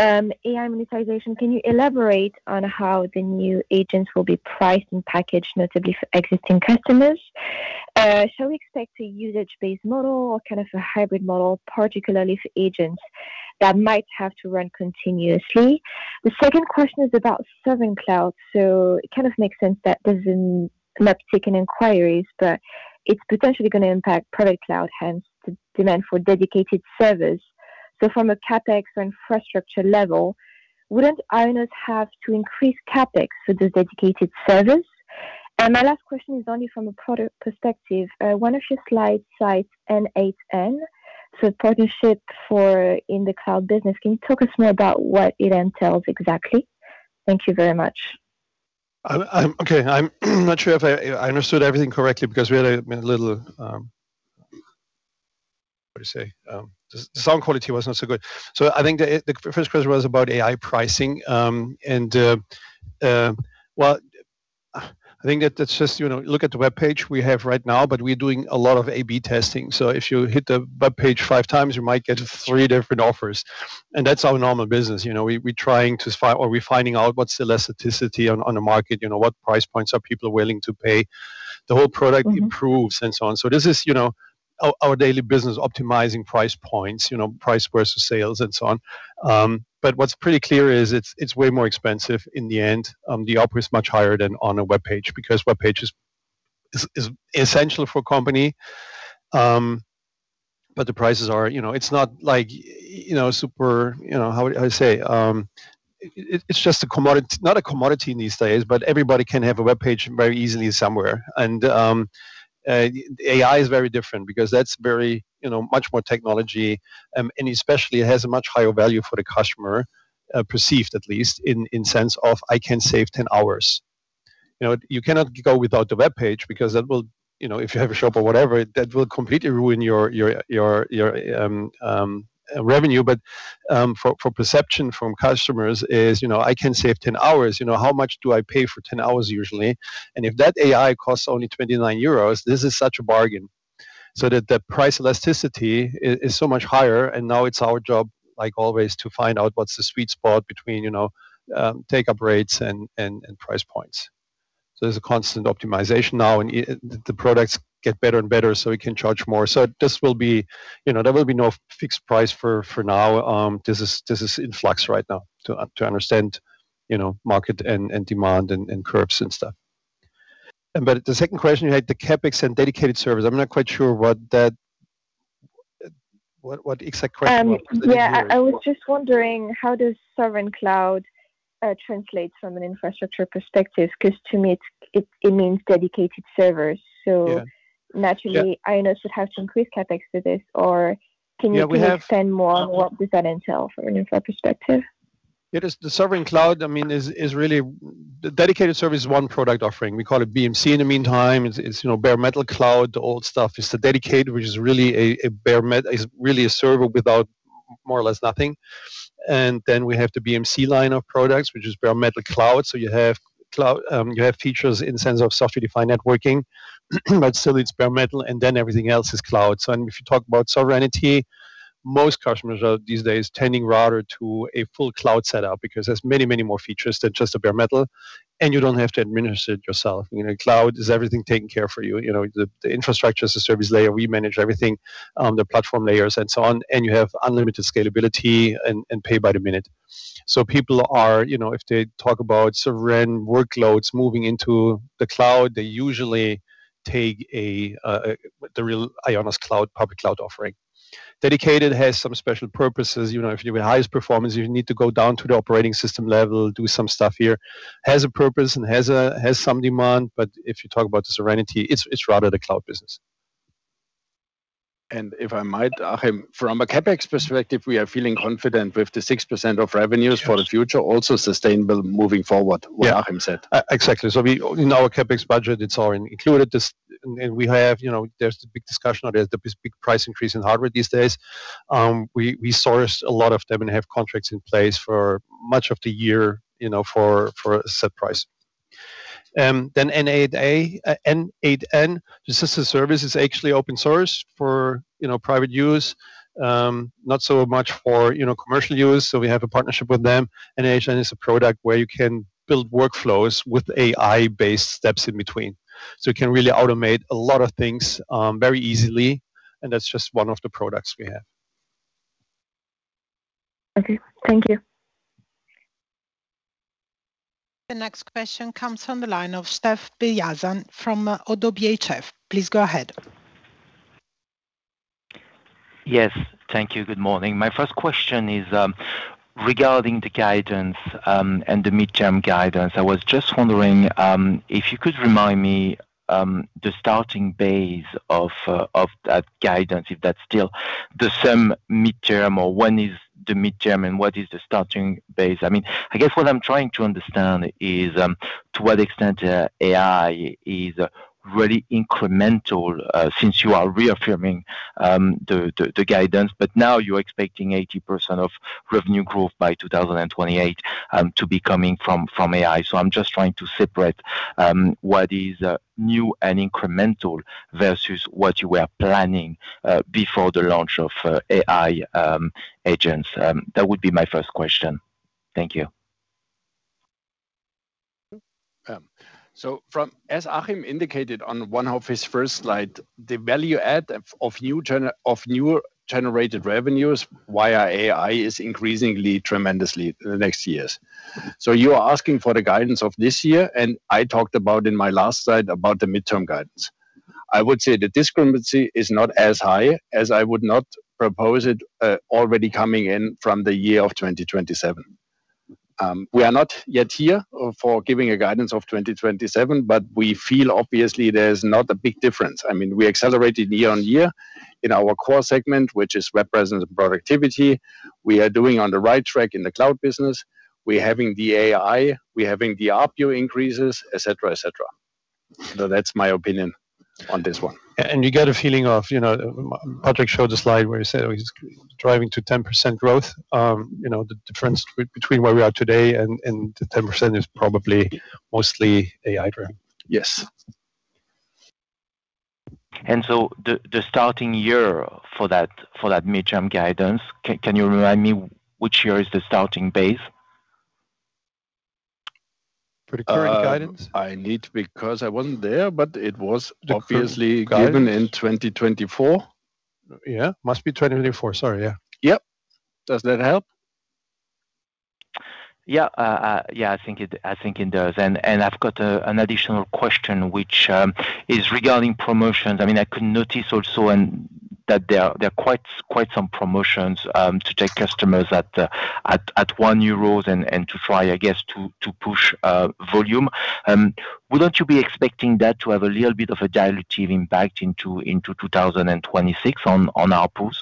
AI monetization. Can you elaborate on how the new agents will be priced and packaged, notably for existing customers? Shall we expect a usage-based model or kind of a hybrid model, particularly for agents that might have to run continuously? The second question is about sovereign cloud. It kind of makes sense that there's an uptick in inquiries, but it's potentially gonna impact public cloud, hence the demand for dedicated servers. From a CapEx infrastructure level, wouldn't IONOS have to increase CapEx for this dedicated service? My last question is only from a product perspective. One of your slides cites n8n. Partnership for IONOS in the cloud business, can you talk to us more about what it entails exactly? Thank you very much. Okay. I'm not sure if I understood everything correctly because the sound quality was not so good. I think the first question was about AI pricing. Well, I think that's just, you know, look at the webpage we have right now, but we're doing a lot of A/B testing. If you hit the webpage five times, you might get three different offers. That's our normal business. You know, we're trying to find out what's the elasticity on the market. You know, what price points are people willing to pay? The whole product improves and so on. This is, you know, our daily business optimizing price points, you know, price versus sales and so on. What's pretty clear is it's way more expensive in the end. The opex is much higher than on a webpage because webpage is essential for a company. The prices are, you know, it's not like you know super, you know how I say, it's just a commodity, not a commodity these days, but everybody can have a webpage very easily somewhere. AI is very different because that's very, you know, much more technology, and especially it has a much higher value for the customer, perceived at least in sense of I can save 10 hours. You know, you cannot go without the webpage because that will, you know, if you have a shop or whatever, that will completely ruin your revenue. For perception from customers is, you know, I can save 10 hours. You know, how much do I pay for 10 hours usually? If that AI costs only 29 euros, this is such a bargain, so that the price elasticity is so much higher. Now it's our job, like always, to find out what's the sweet spot between, you know, take-up rates and price points. There's a constant optimization now, and it the products get better and better, so we can charge more. This will be. You know, there will be no fixed price for now. This is in flux right now to understand, you know, market and demand and curves and stuff. The second question, you had the CapEx and dedicated servers. I'm not quite sure what exact question. Yeah. I was just wondering, how does sovereign cloud translate from an infrastructure perspective? 'Cause to me it means dedicated servers. Yeah. Naturally- Yeah. IONOS should have some increased CapEx to this. Or can you- Yeah, we have. Can you expand more on what does that entail from an infra perspective? It is the sovereign cloud, I mean, really. Dedicated server is one product offering. We call it BMC in the meantime. It's you know, bare metal cloud. The old stuff is the dedicated, which is really a server without more or less nothing. Then we have the BMC line of products, which is bare metal cloud. So you have cloud, you have features in the sense of software-defined networking, but still it's bare metal, and then everything else is cloud. So if you talk about sovereignty, most customers are these days tending rather to a full cloud setup because there's many, many more features than just a bare metal, and you don't have to administer it yourself. You know, cloud is everything taken care for you. You know, the infrastructure as a service layer, we manage everything, the platform layers and so on, and you have unlimited scalability and pay by the minute. People are, you know, if they talk about sovereign workloads moving into the cloud, they usually take the real IONOS cloud, public cloud offering. Dedicated has some special purposes. You know, if you have the highest performance, you need to go down to the operating system level, do some stuff here. Has a purpose and has some demand, but if you talk about sovereignty, it's rather the cloud business. If I might, Achim, from a CapEx perspective, we are feeling confident with the 6% of revenues for the future, also sustainable moving forward, what Achim said. Yeah. Exactly. In our CapEx budget, it's all included this, and we have, you know, there's the big discussion or there's the big price increase in hardware these days. We sourced a lot of them and have contracts in place for much of the year, you know, for a set price. n8n as a service is actually open source for private use. Not so much for commercial use, so we have a partnership with them. n8n is a product where you can build workflows with AI-based steps in between. It can really automate a lot of things very easily, and that's just one of the products we have. Okay. Thank you. The next question comes from the line of Stephane Beyazian from ODDO BHF. Please go ahead. Yes. Thank you. Good morning. My first question is regarding the guidance and the midterm guidance. I was just wondering if you could remind me the starting base of that guidance, if that's still the same midterm or when is the midterm and what is the starting base? I mean, I guess what I'm trying to understand is to what extent AI is really incremental since you are reaffirming the guidance, but now you're expecting 80% of revenue growth by 2028 to be coming from AI. I'm just trying to separate what is new and incremental versus what you were planning before the launch of AI agents. That would be my first question. Thank you. As Achim indicated on one of his first slide, the value add of new generated revenues via AI is increasing tremendously the next years. You are asking for the guidance of this year, and I talked about in my last slide about the midterm guidance. I would say the discrepancy is not as high as I would not propose it, already coming in from the year of 2027. We are not yet here for giving a guidance of 2027, but we feel obviously there's not a big difference. I mean, we accelerated year-on-year in our core segment, which is Web Presence & Productivity. We are on the right track in the cloud business. We're having the AI, we're having the ARPU increases, etc, etc. That's my opinion on this one. You get a feeling of, you know, Patrik showed a slide where he said he's driving to 10% growth. You know, the difference between where we are today and the 10% is probably mostly AI driven. Yes. The starting year for that midterm guidance, can you remind me which year is the starting base? For the current guidance? I need to because I wasn't there, but it was obviously. The current guidance. given in 2024. Yeah. Must be 2024. Sorry. Yeah. Yep. Does that help? Yeah. Yeah, I think it does. I've got an additional question which is regarding promotions. I mean, I could notice also that there are quite some promotions to take customers at 1 euros and to try, I guess, to push volume. Wouldn't you be expecting that to have a little bit of a dilutive impact into 2026 on ARPU?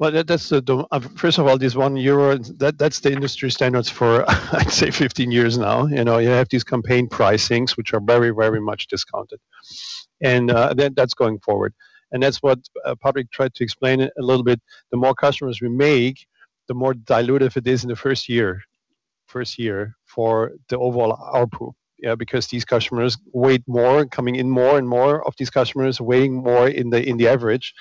First of all, this 1 euro, that's the industry standards for I'd say 15 years now. You know, you have these campaign pricings which are very, very much discounted. Then that's going forward. That's what Patrik tried to explain a little bit. The more customers we make, the more dilutive it is in the first year for the overall ARPU. Yeah, because these customers weigh more, coming in more and more of these customers weighing more in the average,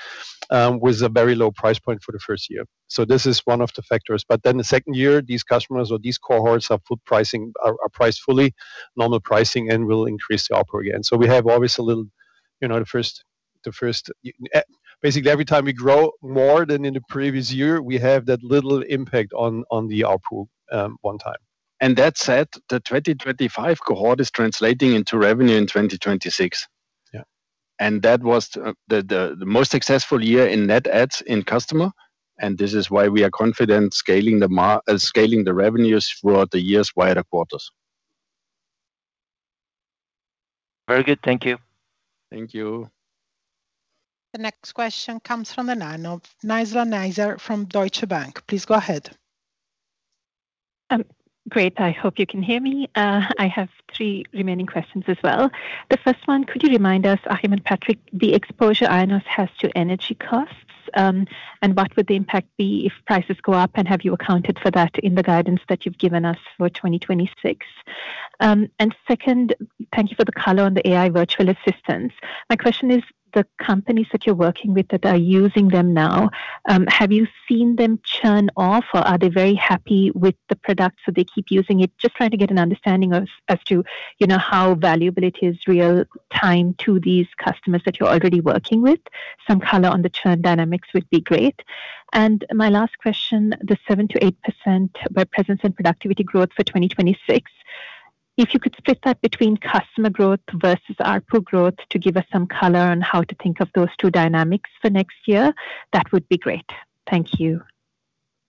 with a very low price point for the first year. This is one of the factors. The second year, these customers or these cohorts are full pricing, priced fully, normal pricing, and will increase the ARPU again. We have always a little, you know, the first. Basically, every time we grow more than in the previous year, we have that little impact on the ARPU one time. That said, the 2025 cohort is translating into revenue in 2026. Yeah. That was the most successful year in net adds in customer, and this is why we are confident scaling the revenues throughout the years via the quarters. Very good. Thank you. Thank you. The next question comes from the line of Nisreen Nisser from Deutsche Bank. Please go ahead. Great. I hope you can hear me. I have three remaining questions as well. The first one, could you remind us, Achim and Patrik, the exposure IONOS has to energy costs, and what would the impact be if prices go up, and have you accounted for that in the guidance that you've given us for 2026? Second, thank you for the color on the AI virtual assistants. My question is, the companies that you're working with that are using them now, have you seen them churn, or are they very happy with the product, so they keep using it? Just trying to get an understanding of as to, you know, how valuable it is real time to these customers that you're already working with. Some color on the churn dynamics would be great. My last question, the 7%-8% Web Presence & Productivity growth for 2026, if you could split that between customer growth versus ARPU growth to give us some color on how to think of those two dynamics for next year, that would be great. Thank you.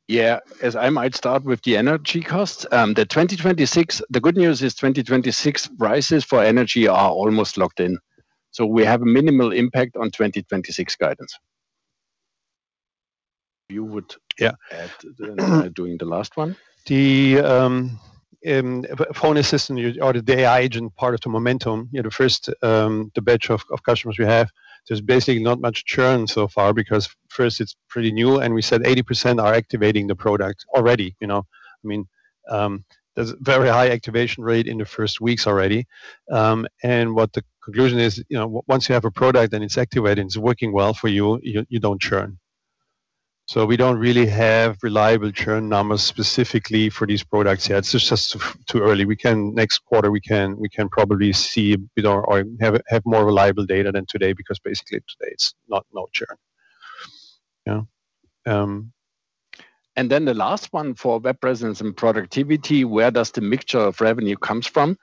Yeah. As I might start with the energy costs, the good news is 2026 prices for energy are almost locked in, so we have a minimal impact on 2026 guidance. You would Yeah Doing the last one. The phone assistant or the AI agent part of the Momentum, you know, the first batch of customers we have, there's basically not much churn so far because first it's pretty new, and we said 80% are activating the product already, you know. I mean, there's very high activation rate in the first weeks already. What the conclusion is, you know, once you have a product and it's activated and it's working well for you don't churn. So we don't really have reliable churn numbers specifically for these products yet. It's just too early. We can next quarter probably see better or have more reliable data than today because basically today it's not. No churn. Yeah. The last one for Web Presence & Productivity, where does the mixture of revenue comes from?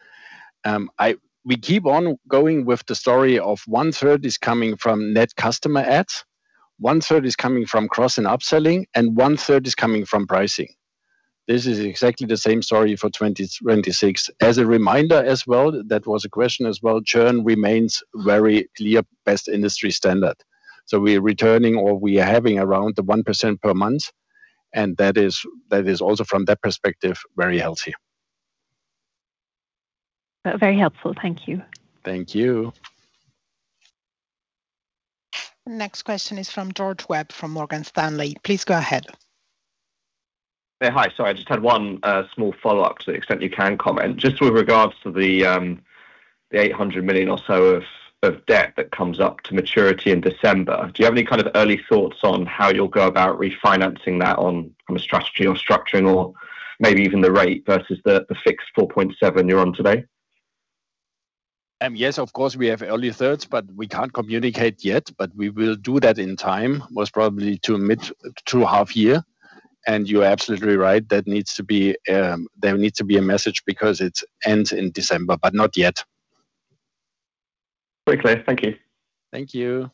We keep on going with the story of one-third is coming from net customer adds, one-third is coming from cross and upselling, and one-third is coming from pricing. This is exactly the same story for 2026. As a reminder as well, that was a question as well, churn remains very clear best industry standard. We're returning or we are having around 1% per month, and that is also from that perspective, very healthy. Very helpful. Thank you. Thank you. Next question is from George Webb from Morgan Stanley. Please go ahead. Yeah. Hi. Sorry. I just had one small follow-up to the extent you can comment. Just with regards to the 800 million or so of debt that comes up to maturity in December, do you have any kind of early thoughts on how you'll go about refinancing that on, from a strategy or structuring or maybe even the rate versus the fixed 4.7 you're on today? Yes, of course, we have early thirds, but we can't communicate yet. We will do that in time. Most probably to mid to half year. You're absolutely right, that needs to be, there needs to be a message because it ends in December, but not yet. Great. Clear. Thank you. Thank you.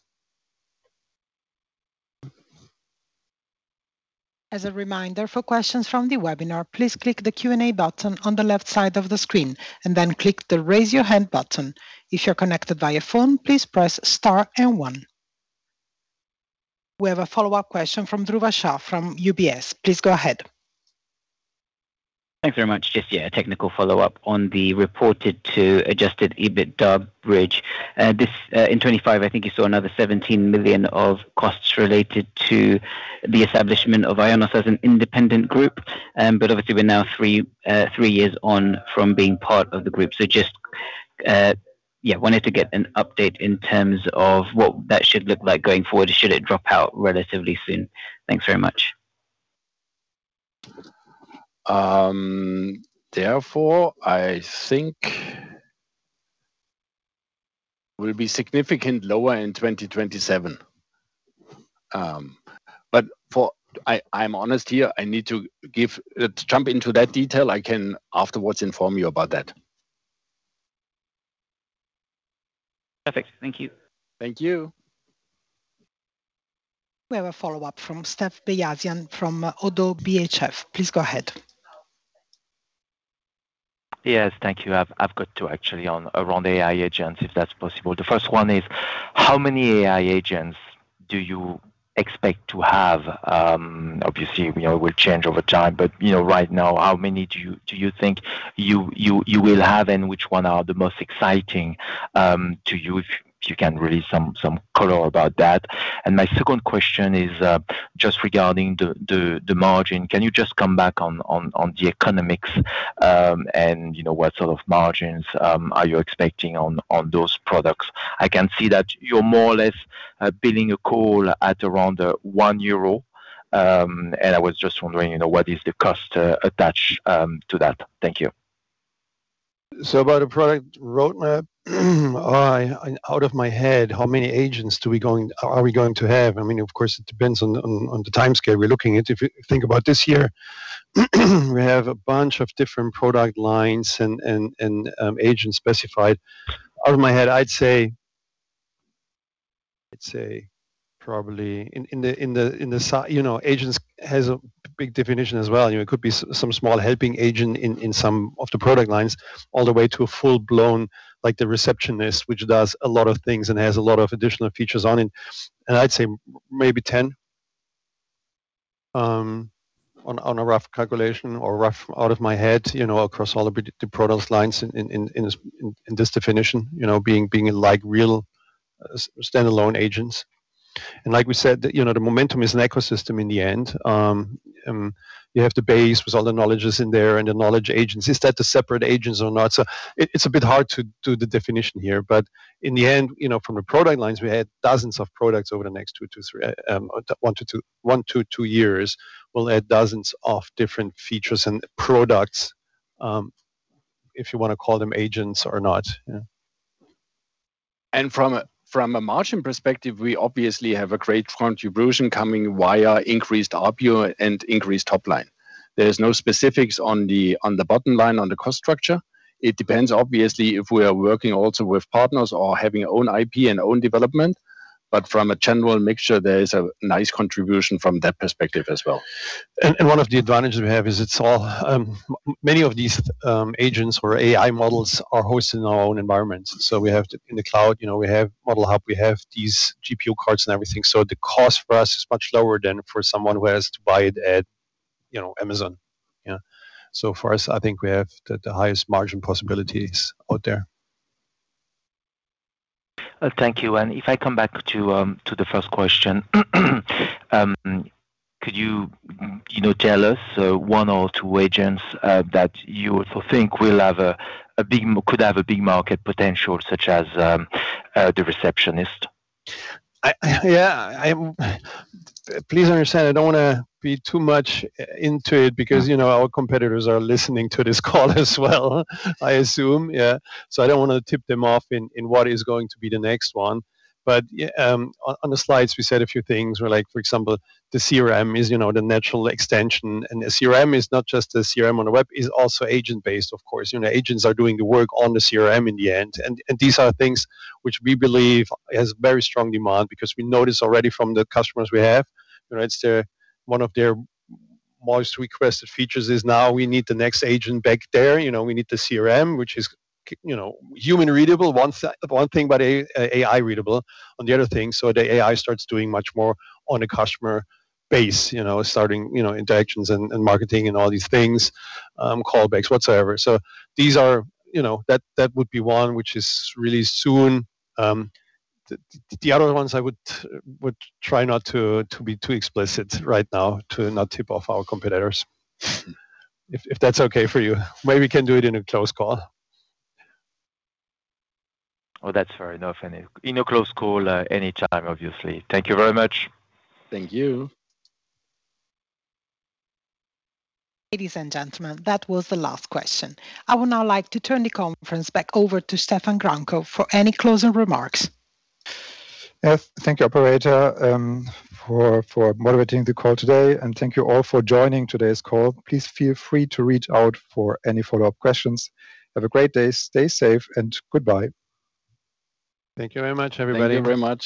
As a reminder, for questions from the webinar, please click the Q&A button on the left side of the screen and then click the Raise Your Hand button. If you're connected via phone, please press star and one. We have a follow-up question from Dhruva Shah from UBS. Please go ahead. Thanks very much. Just, yeah, a technical follow-up on the reported to adjusted EBITDA bridge. This in 2025, I think you saw another 17 million of costs related to the establishment of IONOS as an independent group. But obviously we're now three years on from being part of the group. Just, yeah, wanted to get an update in terms of what that should look like going forward. Should it drop out relatively soon? Thanks very much. Therefore, I think will be significantly lower in 2027. I'm honest here, to jump into that detail, I can afterward inform you about that. Perfect. Thank you. Thank you. We have a follow-up from Stephane Beyazian from ODDO BHF. Please go ahead. Yes, thank you. I've got two actually on around AI agents, if that's possible. The first one is, how many AI agents do you expect to have? Obviously, you know, it will change over time, but, you know, right now, how many do you think you will have, and which one are the most exciting to you, if you can release some color about that? My second question is, just regarding the margin. Can you just come back on the economics, and, you know, what sort of margins are you expecting on those products? I can see that you're more or less billing a call at around 1 euro, and I was just wondering, you know, what is the cost attached to that? Thank you. About the product roadmap, out of my head, how many agents are we going to have? I mean, of course, it depends on the timescale we're looking at. If you think about this year, we have a bunch of different product lines and agents specified. Out of my head, I'd say probably in the si-- You know, agents has a big definition as well. You know, it could be some small helping agent in some of the product lines all the way to a full-blown, like the receptionist, which does a lot of things and has a lot of additional features on it. I'd say maybe 10, on a rough calculation or rough out of my head, you know, across all the product lines in this definition. You know, being like real standalone agents. Like we said, you know, the Momentum is an ecosystem in the end. You have the base with all the knowledge in there and the knowledge agents. Is that the separate agents or not? It's a bit hard to do the definition here, but in the end, you know, from the product lines, we had dozens of products over the next 1-2 years, we'll add dozens of different features and products, if you wanna call them agents or not. Yeah. From a margin perspective, we obviously have a great contribution coming via increased ARPU and increased top line. There is no specifics on the bottom line, on the cost structure. It depends, obviously, if we are working also with partners or having our own IP and own development. But from a general mixture, there is a nice contribution from that perspective as well. One of the advantages we have is many of these agents or AI models are hosted in our own environment. In the cloud, you know, we have Model Hub, we have these GPU cards and everything. So the cost for us is much lower than for someone who has to buy it at, you know, Amazon. Yeah. So for us, I think we have the highest margin possibilities out there. Thank you. If I come back to the first question, could you know, tell us one or two agents that you think could have a big market potential, such as the receptionist? Yeah. Please understand, I don't wanna be too much into it because, you know, our competitors are listening to this call as well, I assume. Yeah. I don't wanna tip them off in what is going to be the next one. Yeah, on the slides, we said a few things where, like, for example, the CRM is, you know, the natural extension. The CRM is not just the CRM on the web, is also agent-based, of course. You know, agents are doing the work on the CRM in the end. These are things which we believe has very strong demand because we noticed already from the customers we have. You know, it's one of their most requested features is now we need the next agent back there. You know, we need the CRM, which is you know, human readable, one thing, but AI readable on the other thing. The AI starts doing much more on a customer base, you know, starting you know interactions and marketing and all these things, callbacks, whatsoever. These are. You know, that would be one which is really soon. The other ones I would try not to be too explicit right now to not tip off our competitors. If that's okay for you. Maybe we can do it in a close call. Oh, that's fair enough. In a close call, anytime, obviously. Thank you very much. Thank you. Ladies and gentlemen, that was the last question. I would now like to turn the conference back over to Stephan Gramkow for any closing remarks. Yes. Thank you, operator, for moderating the call today, and thank you all for joining today's call. Please feel free to reach out for any follow-up questions. Have a great day, stay safe, and goodbye. Thank you very much, everybody. Thank you very much.